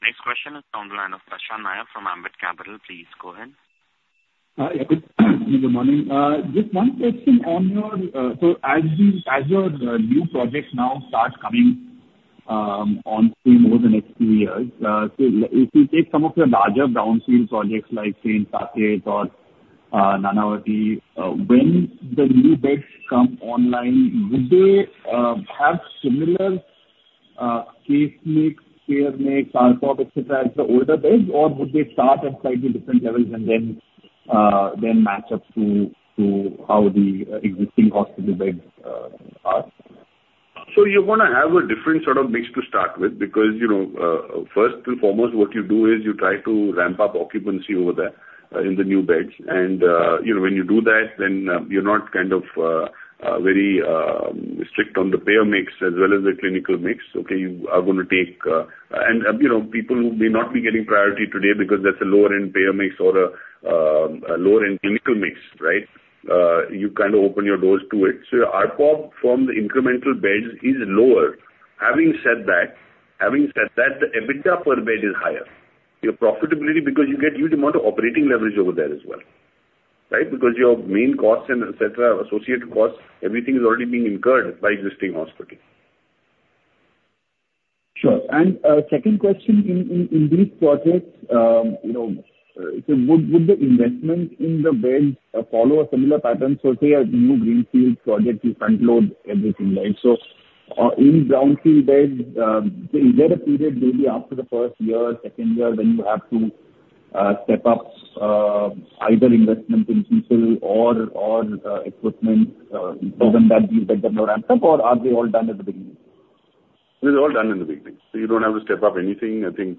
Next question is from the line of Prashant Nair from Ambit Capital. Please go ahead. Yeah. Good morning. Just one question on your, so as your new projects now start coming on stream over the next few years, so if we take some of your larger brownfield projects like Saket or Nanavati, when the new beds come online, would they have similar case mix, payer mix, ARPOB, et cetera, as the older beds, or would they start at slightly different levels and then match up to how the existing hospital beds are? So you're going to have a different sort of mix to start with because, you know, first and foremost, what you do is you try to ramp up occupancy over there in the new beds. And, you know, when you do that, then you're not kind of very strict on the payer mix as well as the clinical mix, okay? You are going to take, and, you know, people who may not be getting priority today because that's a lower-end payer mix or a lower-end clinical mix, right? You kind of open your doors to it. So ARPOB from the incremental beds is lower. Having said that, having said that, the EBITDA per bed is higher. Your profitability because you get a huge amount of operating leverage over there as well, right? Because your main costs and, et cetera, associated costs, everything is already being incurred by existing hospital. Sure. And second question, in these projects, you know, would the investment in the beds follow a similar pattern? So say a new greenfield project, you front-load everything, right? So in brownfield beds, is there a period maybe after the first year, second year, when you have to step up either investment in people or equipment so that these beds are not ramped up, or are they all done at the beginning? They're all done in the beginning. So you don't have to step up anything. I think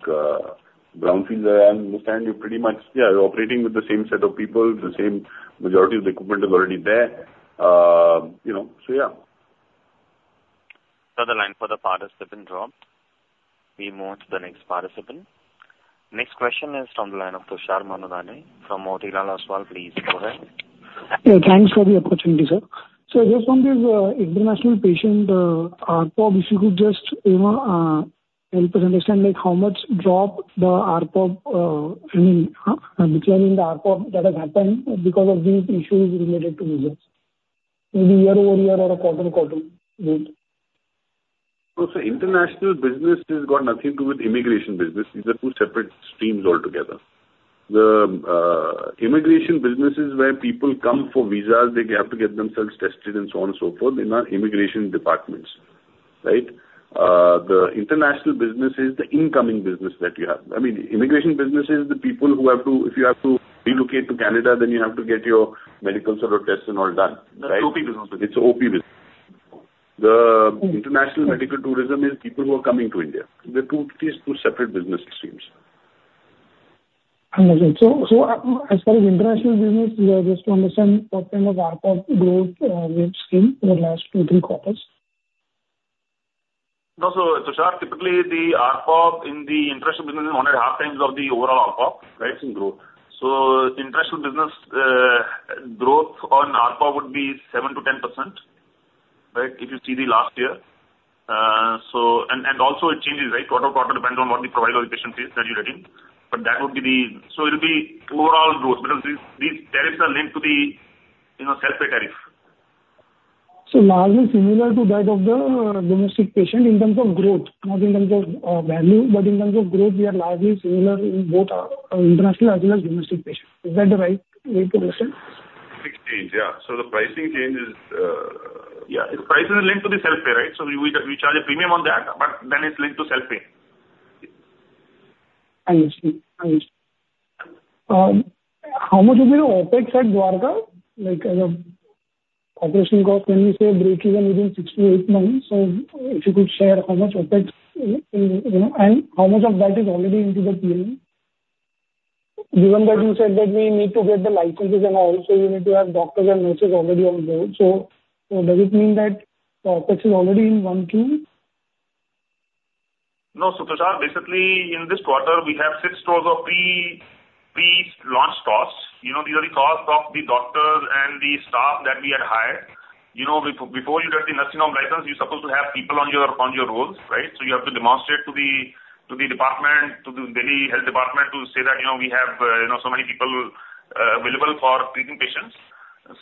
brownfields, as I understand, you're pretty much, yeah, you're operating with the same set of people, the same majority of the equipment is already there, you know? So yeah. The line for the participant dropped. We move on to the next participant. Next question is from the line of Tushar Manudhane from Motilal Oswal, please go ahead. Yeah. Thanks for the opportunity, sir. So just from this international patient ARPOB, if you could just, you know, help us understand like how much drop the ARPOB, I mean, declining the ARPOB that has happened because of these issues related to business? Maybe year-over-year or a quarter-on-quarter growth. Also, international business has got nothing to do with immigration business. These are two separate streams altogether. The immigration business is where people come for visas, they have to get themselves tested and so on and so forth in our immigration departments, right? The international business is the incoming business that you have. I mean, immigration business is the people who have to, if you have to relocate to Canada, then you have to get your medical sort of tests and all done, right? The OP business. It's OP business. The international medical tourism is people who are coming to India. They're two separate business streams. Amazing. So as far as international business, just to understand what kind of ARPOB growth rates came over the last two, three quarters? No, so Prashant, typically the ARPOB in the international business is 1.5 times of the overall ARPOB, right, in growth. So international business growth on ARPOB would be 7%-10%, right, if you see the last year. So, and also it changes, right? Quarter-on-quarter depends on what the provider of the patient is that you're getting. But that would be the, so it'll be overall growth because these tariffs are linked to the, you know, self-pay tariff. Largely similar to that of the domestic patient in terms of growth, not in terms of value, but in terms of growth, we are largely similar in both international as well as domestic patients. Is that the right way to understand? Big change, yeah. So the pricing change is, yeah, price is linked to the self-pay, right? So we charge a premium on that, but then it's linked to self-pay. I understand. I understand. How much of your OpEx at Dwarka? Like as an operation cost, when we say breakeven within 6-8 months, so if you could share how much OpEx, you know, and how much of that is already into the P&L? Given that you said that we need to get the licenses and also you need to have doctors and nurses already on board, so does it mean that the OpEx is already in 1Q? No, so Prashant, basically in this quarter, we have 6 crore of pre-launch costs. You know, these are the costs of the doctors and the staff that we had hired. You know, before you get the nursing home license, you're supposed to have people on your rolls, right? So you have to demonstrate to the department, to the Delhi Health Department, to say that, you know, we have, you know, so many people available for treating patients.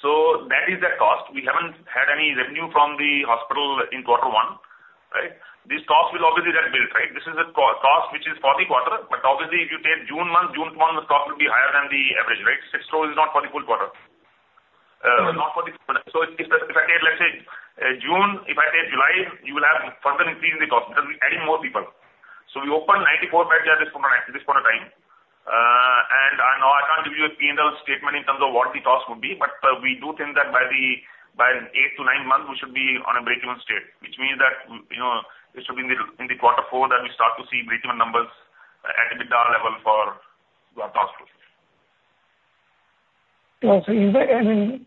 So that is the cost. We haven't had any revenue from the hospital in quarter one, right? These costs will obviously get built, right? This is a cost which is for the quarter, but obviously if you take June month, June month, the cost will be higher than the average, right? 6 crore is not for the full quarter. Not for the full quarter. So if I take, let's say, June, if I take July, you will have further increase in the cost because we're adding more people. So we opened 94 beds at this point of time. And I know I can't give you a P&L statement in terms of what the cost would be, but we do think that by 8-9 months, we should be on a breakeven state, which means that, you know, it should be in the Q4 that we start to see breakeven numbers at EBITDA level for our hospitals. Well, so is there, I mean,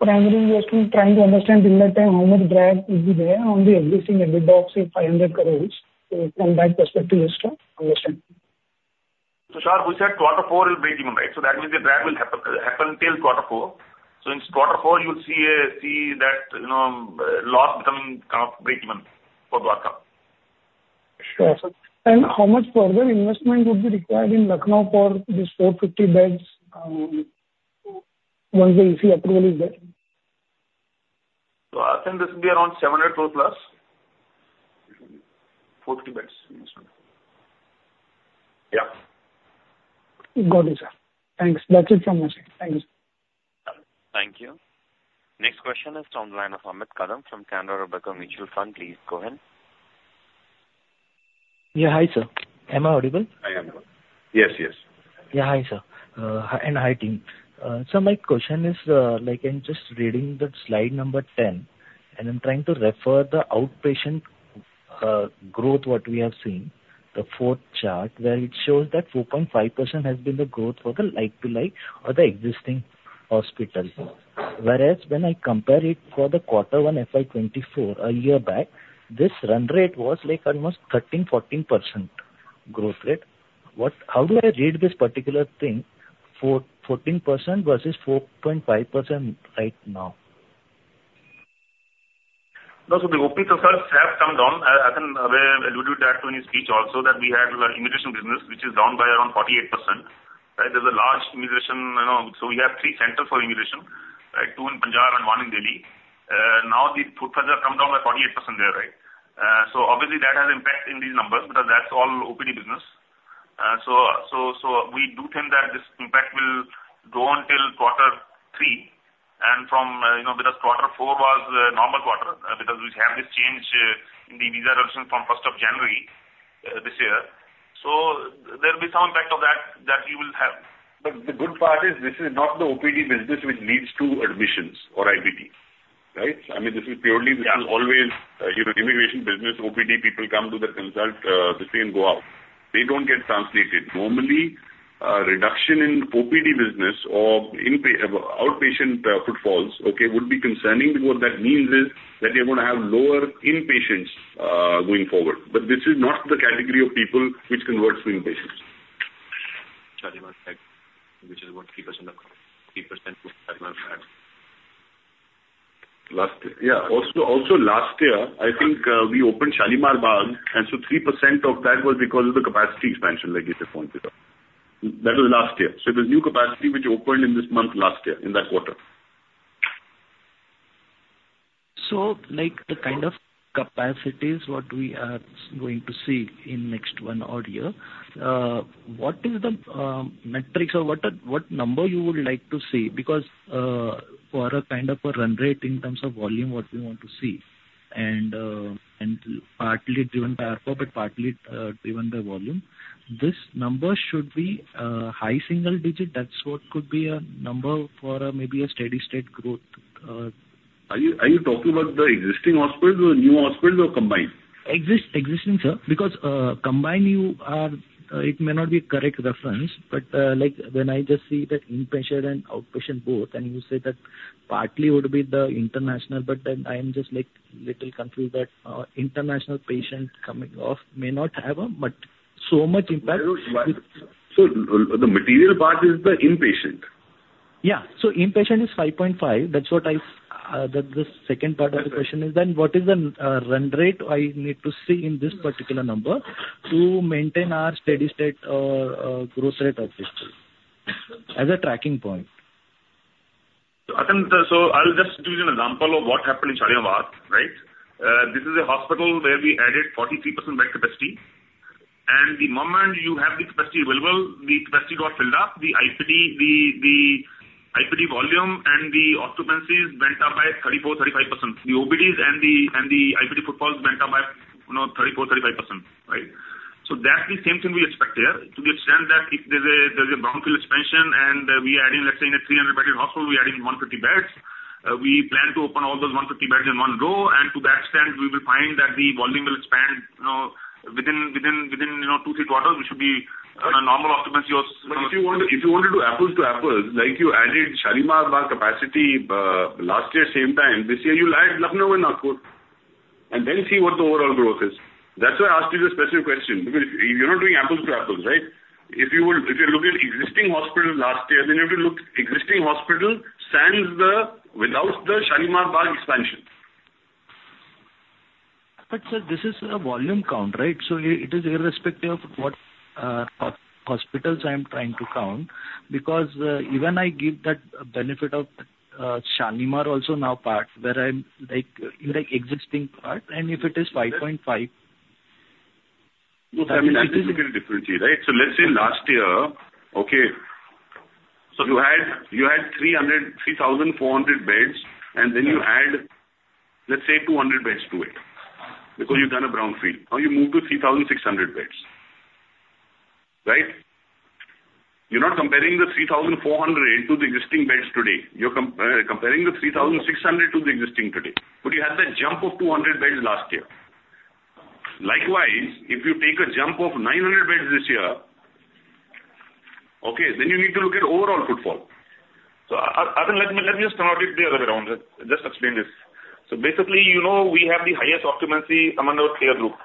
primarily just trying to understand in that time how much drag will be there on the existing EBITDA of, say, 500 crore? From that perspective, just to understand. Tushar, we said Q4 is breakeven, right? So that means the drag will happen till Q4. So in Q4, you'll see that, you know, loss becoming kind of breakeven for Dwarka. Sure. How much further investment would be required in Lucknow for these 450 beds once the EC approval is there? I think this will be around 700 crore+. 450 beds investment. Yeah. Got it, sir. Thanks. That's it from my side. Thank you, sir. Thank you. Next question is from the line of Amit Kadam from Canara Robeco Mutual Fund. Please go ahead. Yeah. Hi, sir. Am I audible? I am. Yes, yes. Yeah. Hi, sir. And hi, team. So my question is, like, I'm just reading the slide number 10, and I'm trying to refer the outpatient growth, what we have seen, the fourth chart, where it shows that 4.5% has been the growth for the like-to-like or the existing hospitals. Whereas when I compare it for the quarter one FY 2024, a year back, this run rate was like almost 13%-14% growth rate. What, how do I read this particular thing, 14% versus 4.5% right now? No, so the OpEx has come down. I think I will allude that to in your speech also that we had immigration business, which is down by around 48%, right? There's a large immigration, you know, so we have 3 centers for immigration, right? 2 in Punjab and 1 in Delhi. Now the footprints have come down by 48% there, right? So obviously that has impact in these numbers because that's all OPD business. So we do think that this impact will go until quarter three. And from, you know, because Q4 was a normal quarter because we have this change in the visa regulation from first of January this year. So there'll be some impact of that that we will have. But the good part is this is not the OPD business which leads to admissions or IPD, right? I mean, this is purely, this is always, you know, immigration business. OPD people come to the consult, they go out. They don't get translated. Normally, a reduction in OPD business or in outpatient footfalls, okay, would be concerning because what that means is that you're going to have lower in-patients going forward. But this is not the category of people which converts to in-patients. Shalimar Bagh, which is about 3% of 3% of Shalimar Bagh. Last year, yeah. Also, also last year, I think we opened Shalimar Bagh, and so 3% of that was because of the capacity expansion, like you just pointed out. That was last year. So it was new capacity which opened in this month last year, in that quarter. So, like, the kind of capacities what we are going to see in next one or year, what is the metrics or what number you would like to see? Because for a kind of a run rate in terms of volume, what we want to see, and partly driven by ARPOB, but partly driven by volume, this number should be high single digit. That's what could be a number for maybe a steady-state growth. Are you talking about the existing hospitals or the new hospitals or combined? Yes, sir. Because combined, you are, it may not be a correct reference, but like when I just see that inpatient and outpatient both, and you say that partly would be the international, but then I'm just like a little confused that international patient coming off may not have a much so much impact. The material part is the in-patient. Yeah. So inpatient is 5.5. That's what I, that's the second part of the question is. Then what is the run rate I need to see in this particular number to maintain our steady-state growth rate of this as a tracking point? So I think, so I'll just give you an example of what happened in Shalimar Bagh, right? This is a hospital where we added 43% bed capacity. And the moment you have the capacity available, the capacity got filled up. The IPD volume and the occupancies went up by 34%-35%. The OPDs and the IPD footfalls went up by, you know, 34%-35%, right? So that's the same thing we expect here, to the extent that if there's a brownfield expansion and we add in, let's say, in a 300-bed hospital, we add in 150 beds, we plan to open all those 150 beds in one row, and to that extent, we will find that the volume will expand, you know, within, you know, 2-3 quarters, we should be on a normal occupancy of. But if you wanted to do apples to apples, like you added Shalimar Bagh capacity last year, same time, this year you'll add Lucknow and Nagpur. And then see what the overall growth is. That's why I asked you the specific question. Because if you're not doing apples to apples, right? If you look at existing hospitals last year, then you have to look at existing hospitals sans the, without the Shalimar Bagh expansion. But sir, this is a volume count, right? So it is irrespective of what hospitals I'm trying to count, because even I give that benefit of Shalimar also now part, where I'm like in like existing part, and if it is 5.5. No, I mean, that's a significant difference here, right? So let's say last year, okay, so you had 3,400 beds, and then you add, let's say, 200 beds to it, because you've done a brownfield. Now you move to 3,600 beds, right? You're not comparing the 3,400 to the existing beds today. You're comparing the 3,600 to the existing today. But you had that jump of 200 beds last year. Likewise, if you take a jump of 900 beds this year, okay, then you need to look at overall footfall. So I think let me just turn it the other way around. Just explain this. So basically, you know, we have the highest occupancy among our peer group,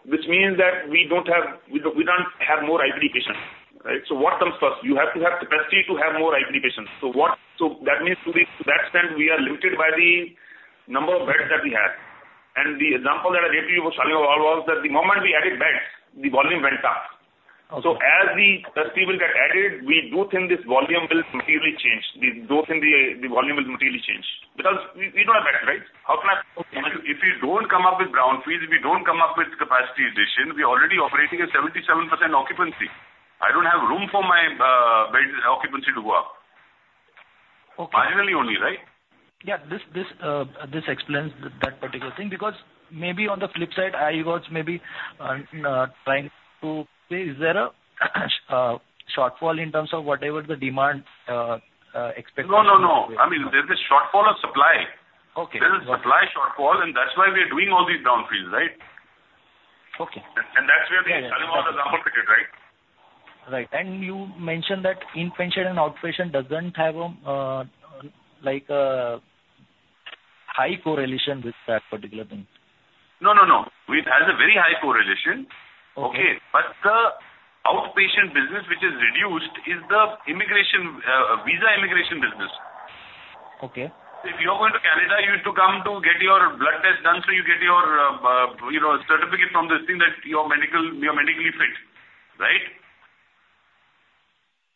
right? Which means that we don't have, we don't have more IPD patients, right? So what comes first? You have to have capacity to have more IPD patients. So what, so that means to the extent we are limited by the number of beds that we have. And the example that I gave to you for Shalimar Bagh was that the moment we added beds, the volume went up. So as the capacity will get added, we do think this volume will materially change. We do think the volume will materially change. Because we don't have beds, right? How can I? If we don't come up with brownfields, we don't come up with capacity addition, we're already operating at 77% occupancy. I don't have room for my bed occupancy to go up. Marginally only, right? Yeah. This, this explains that particular thing, because maybe on the flip side, I was maybe trying to say, is there a shortfall in terms of whatever the demand expectation? No, no, no. I mean, there's a shortfall of supply. There's a supply shortfall, and that's why we're doing all these Brownfields, right? Okay. That's where the Shalimar Bagh example fitted, right? Right. You mentioned that inpatient and outpatient doesn't have, like, a high correlation with that particular thing. No, no, no. It has a very high correlation. Okay. But the outpatient business, which is reduced, is the immigration, visa immigration business. Okay. If you're going to Canada, you have to come to get your blood test done so you get your, you know, certificate from this thing that you're medically fit, right?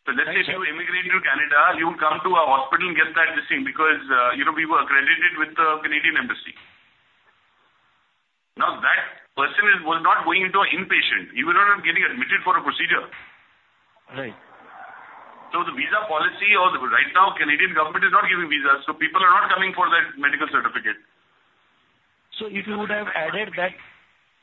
So let's say if you immigrate to Canada, you will come to a hospital and get that this thing because, you know, we were accredited with the Canadian embassy. Now that person was not going into an inpatient. He will not be getting admitted for a procedure. Right. So, the visa policy or right now, Canadian government is not giving visas, so people are not coming for that medical certificate. If you would have added that,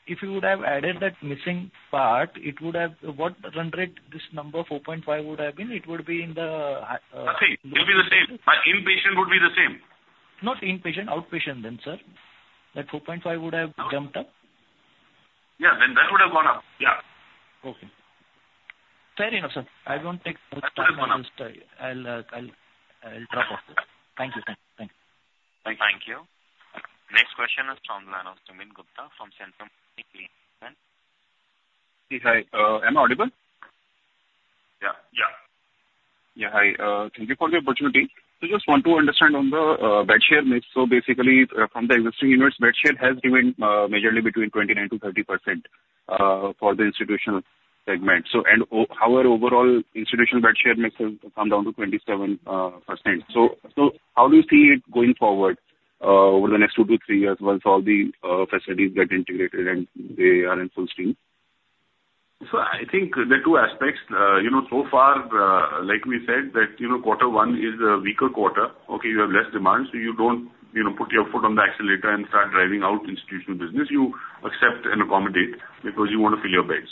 if you would have added that missing part, it would have, what run rate, this number of 4.5 would have been? It would be in the. The same. It would be the same. Inpatient would be the same. Not inpatient, outpatient then, sir? That 4.5 would have jumped up? Yeah. Then that would have gone up. Yeah. Okay. Fair enough, sir. I won't take further questions. I'll just, I'll drop off this. Thank you. Thank you. Thank you. Next question is from Lorna Samin Gupta from Centrum Broking. Hey, hi. Am I audible? Yeah. Yeah. Yeah. Hi. Thank you for the opportunity. So just want to understand on the bed share mix. So basically, from the existing units, bed share has remained majorly between 29%-30% for the institutional segment. So, and however, overall institutional bed share mix has come down to 27%. So, so how do you see it going forward over the next 2-3 years once all the facilities get integrated and they are in full steam? So I think the two aspects, you know, so far, like we said, that, you know, quarter one is a weaker quarter. Okay, you have less demand. So you don't, you know, put your foot on the accelerator and start driving out institutional business. You accept and accommodate because you want to fill your beds.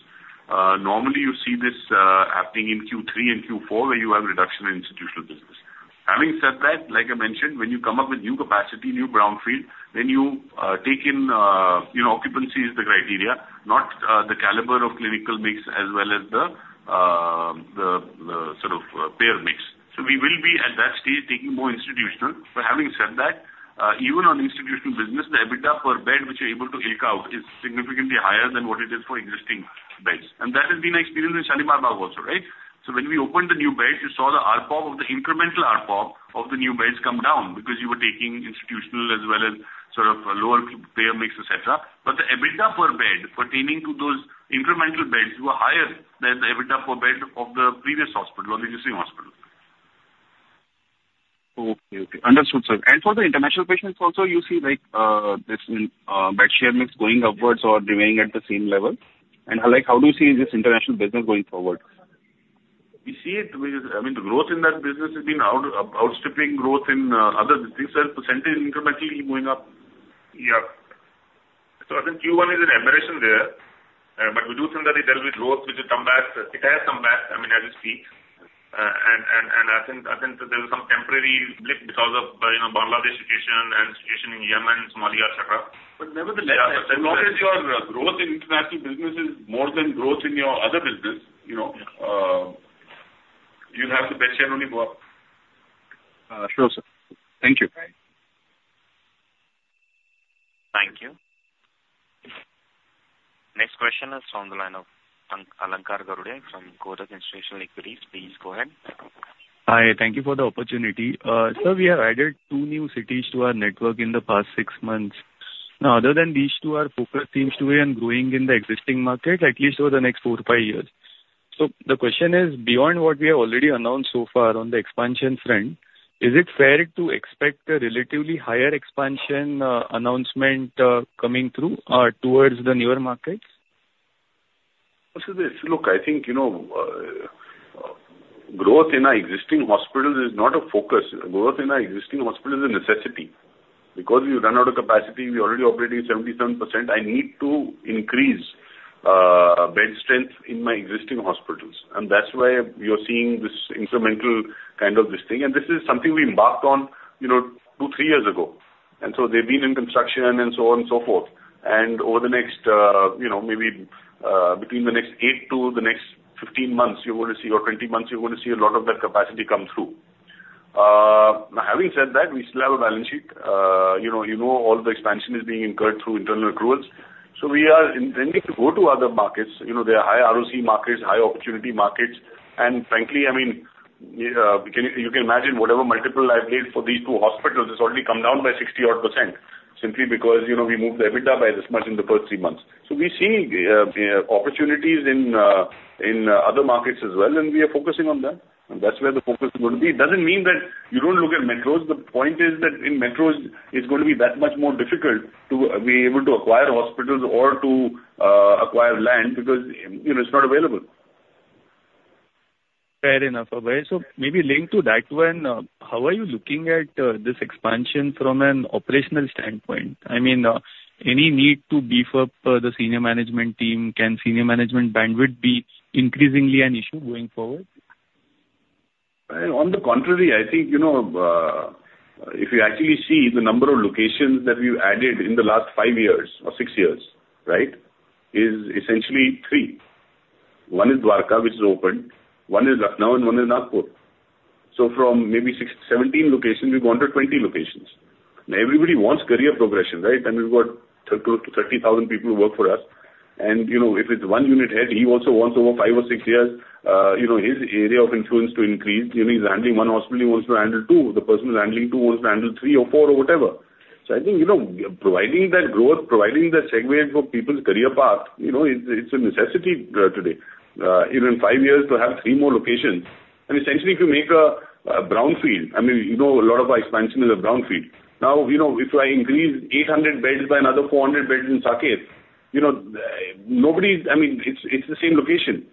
Normally, you see this happening in Q3 and Q4, where you have reduction in institutional business. Having said that, like I mentioned, when you come up with new capacity, new brownfield, then you take in, you know, occupancy is the criteria, not the caliber of clinical mix as well as the sort of payer mix. So we will be at that stage taking more institutional. But having said that, even on institutional business, the EBITDA per bed which you're able to eke out is significantly higher than what it is for existing beds. That has been experienced in Shalimar Bagh also, right? So when we opened the new beds, you saw the ARPOB of the incremental ARPOB of the new beds come down because you were taking institutional as well as sort of lower payer mix, et cetera. But the EBITDA per bed pertaining to those incremental beds were higher than the EBITDA per bed of the previous hospital or the existing hospital. Okay. Okay. Understood, sir. And for the international patients also, you see like this bed share mix going upwards or remaining at the same level? And how do you see this international business going forward? We see it, I mean, the growth in that business has been outstripping growth in other businesses. Percentage incrementally going up. Yeah. So I think Q1 is an aberration there. But we do think that there will be growth with the come back. It has come back, I mean, as we speak. And I think there's some temporary blip because of, you know, Bangladesh situation and situation in Yemen, Somalia, et cetera. But nevertheless, as long as your growth in international business is more than growth in your other business, you know, you'll have the bed share only go up. Sure, sir. Thank you. Thank you. Next question is from the line of Alankar Garude from Kotak Institutional Equities. Please go ahead. Hi. Thank you for the opportunity. Sir, we have added two new cities to our network in the past six months. Now, other than these two, our focus seems to be on growing in the existing market, at least over the next four to five years. So the question is, beyond what we have already announced so far on the expansion front, is it fair to expect a relatively higher expansion announcement coming through towards the newer markets? Look, I think, you know, growth in our existing hospitals is not a focus. Growth in our existing hospitals is a necessity. Because we've run out of capacity, we're already operating 77%. I need to increase bed strength in my existing hospitals. And that's why you're seeing this incremental kind of this thing. And this is something we embarked on, you know, 2, 3 years ago. And so they've been in construction and so on and so forth. And over the next, you know, maybe between the next 8 to the next 15 months, or 20 months, you're going to see, or 20 months, you're going to see a lot of that capacity come through. Now, having said that, we still have a balance sheet. You know, you know all the expansion is being incurred through internal accruals. So we are intending to go to other markets. You know, there are high ROCE markets, high opportunity markets. Frankly, I mean, you can imagine whatever multiple I've made for these two hospitals has already come down by 60-odd%, simply because, you know, we moved the EBITDA by this much in the first three months. So we see opportunities in other markets as well, and we are focusing on them. And that's where the focus is going to be. It doesn't mean that you don't look at metros. The point is that in metros, it's going to be that much more difficult to be able to acquire hospitals or to acquire land because, you know, it's not available. Fair enough, Abhay. So maybe linked to that one, how are you looking at this expansion from an operational standpoint? I mean, any need to beef up the senior management team? Can senior management bandwidth be increasingly an issue going forward? On the contrary, I think, you know, if you actually see the number of locations that we've added in the last 5 years or 6 years, right, is essentially 3. One is Dwarka, which is open. One is Lucknow, and one is Nagpur. So from maybe 17 locations, we've gone to 20 locations. Now, everybody wants career progression, right? I mean, we've got close to 30,000 people who work for us. And, you know, if it's one unit head, he also wants over 5 or 6 years, you know, his area of influence to increase. You know, he's handling one hospital; he wants to handle two. The person who's handling two wants to handle three or four or whatever. So I think, you know, providing that growth, providing that segue for people's career path, you know, it's a necessity today. Even in 5 years to have 3 more locations. Essentially, if you make a brownfield, I mean, you know, a lot of our expansion is a brownfield. Now, you know, if I increase 800 beds by another 400 beds in Saket, you know, nobody, I mean, it's the same location.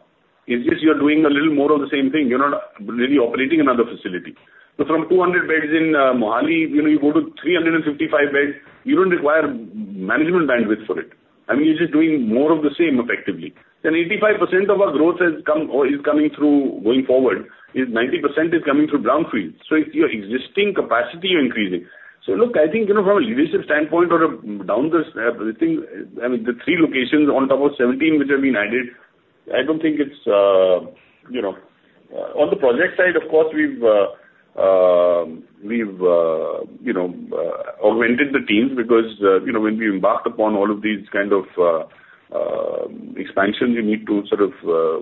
It's just you're doing a little more of the same thing. You're not really operating another facility. So from 200 beds in Mohali, you know, you go to 355 beds. You don't require management bandwidth for it. I mean, you're just doing more of the same, effectively. Then 85% of our growth has come, or is coming through going forward, is 90% is coming through brownfields. So it's your existing capacity you're increasing. So look, I think, you know, from a leadership standpoint or down the thing, I mean, the 3 locations on top of 17 which have been added, I don't think it's, you know, on the project side, of course, we've you know, augmented the teams because, you know, when we embarked upon all of these kind of expansions, you need to sort of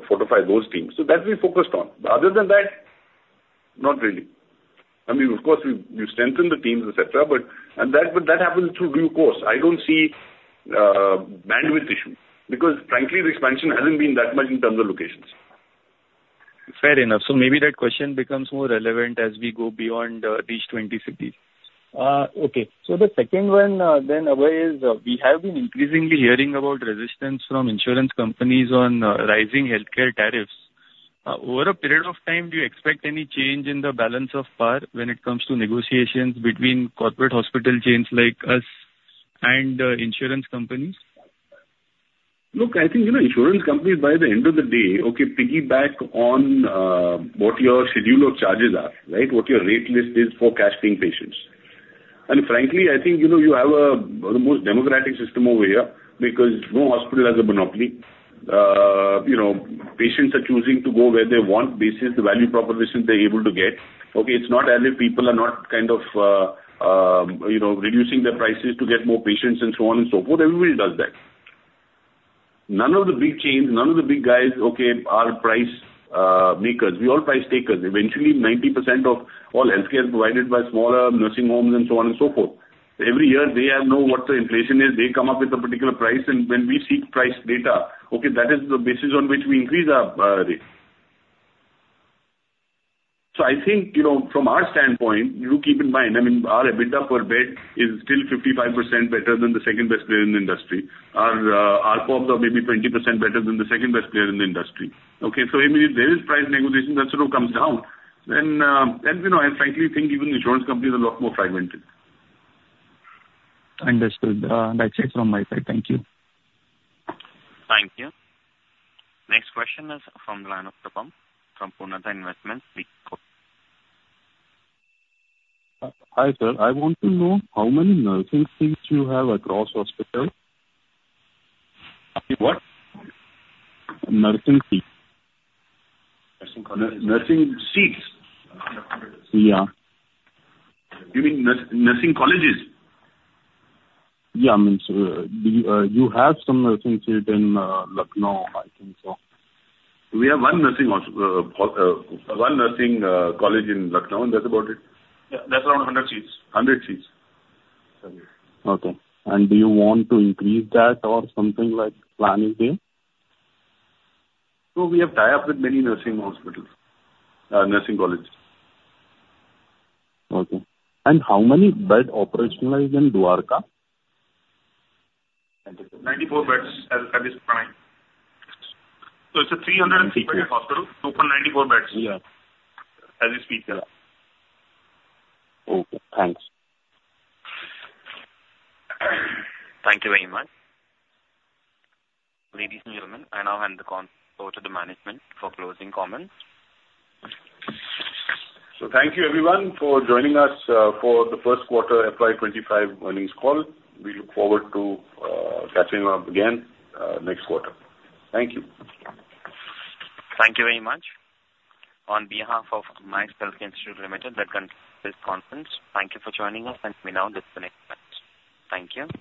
fortify those teams. So that's what we focused on. Other than that, not really. I mean, of course, we've strengthened the teams, et cetera, but that happens through due course. I don't see bandwidth issues. Because frankly, the expansion hasn't been that much in terms of locations. Fair enough. So maybe that question becomes more relevant as we go beyond these 20 cities. Okay. So the second one then, Abhay, is we have been increasingly hearing about resistance from insurance companies on rising healthcare tariffs. Over a period of time, do you expect any change in the balance of power when it comes to negotiations between corporate hospital chains like us and insurance companies? Look, I think, you know, insurance companies, by the end of the day, okay, piggyback on what your schedule of charges are, right? What your rate list is for cash-paying patients. And frankly, I think, you know, you have the most democratic system over here because no hospital has a monopoly. You know, patients are choosing to go where they want based on the value proposition they're able to get. Okay, it's not as if people are not kind of, you know, reducing their prices to get more patients and so on and so forth. Everybody does that. None of the big chains, none of the big guys, okay, are price makers. We are all price takers. Eventually, 90% of all healthcare is provided by smaller nursing homes and so on and so forth. Every year, they have no what the inflation is. They come up with a particular price, and when we seek price data, okay, that is the basis on which we increase our rate. So I think, you know, from our standpoint, you keep in mind, I mean, our EBITDA per bed is still 55% better than the second best player in the industry. Our ARPOBs are maybe 20% better than the second best player in the industry. Okay. So I mean, if there is price negotiation, that sort of comes down. Then, you know, I frankly think even insurance companies are a lot more fragmented. Understood. That's it from my side. Thank you. Thank you. Next question is from the line of Shubham from Purnartha Investment. Hi, sir. I want to know how many nursing seats you have across hospital? What? Nursing seats. Nursing colleges? Nursing seats. Yeah. You mean nursing colleges? Yeah. I mean, so do you have some nursing seats in Lucknow? I think so. We have one nursing college in Lucknow, and that's about it. Yeah. That's around 100 seats. 100 seats. Okay. And do you want to increase that or something like plan is there? We have tied up with many nursing hospitals, nursing colleges. Okay. And how many beds operationalized in Dwarka? 94 beds at this point. So it's a 300-bed hospital, 294 beds. Yeah. As we speak here. Okay. Thanks. Thank you very much. Ladies and gentlemen, I now hand the call over to the management for closing comments. So thank you, everyone, for joining us for the first quarter FY 2025 earnings call. We look forward to catching up again next quarter. Thank you. Thank you very much. On behalf of Max Healthcare Institute Limited, this conference, thank you for joining us, and we now disconnect. Thank you.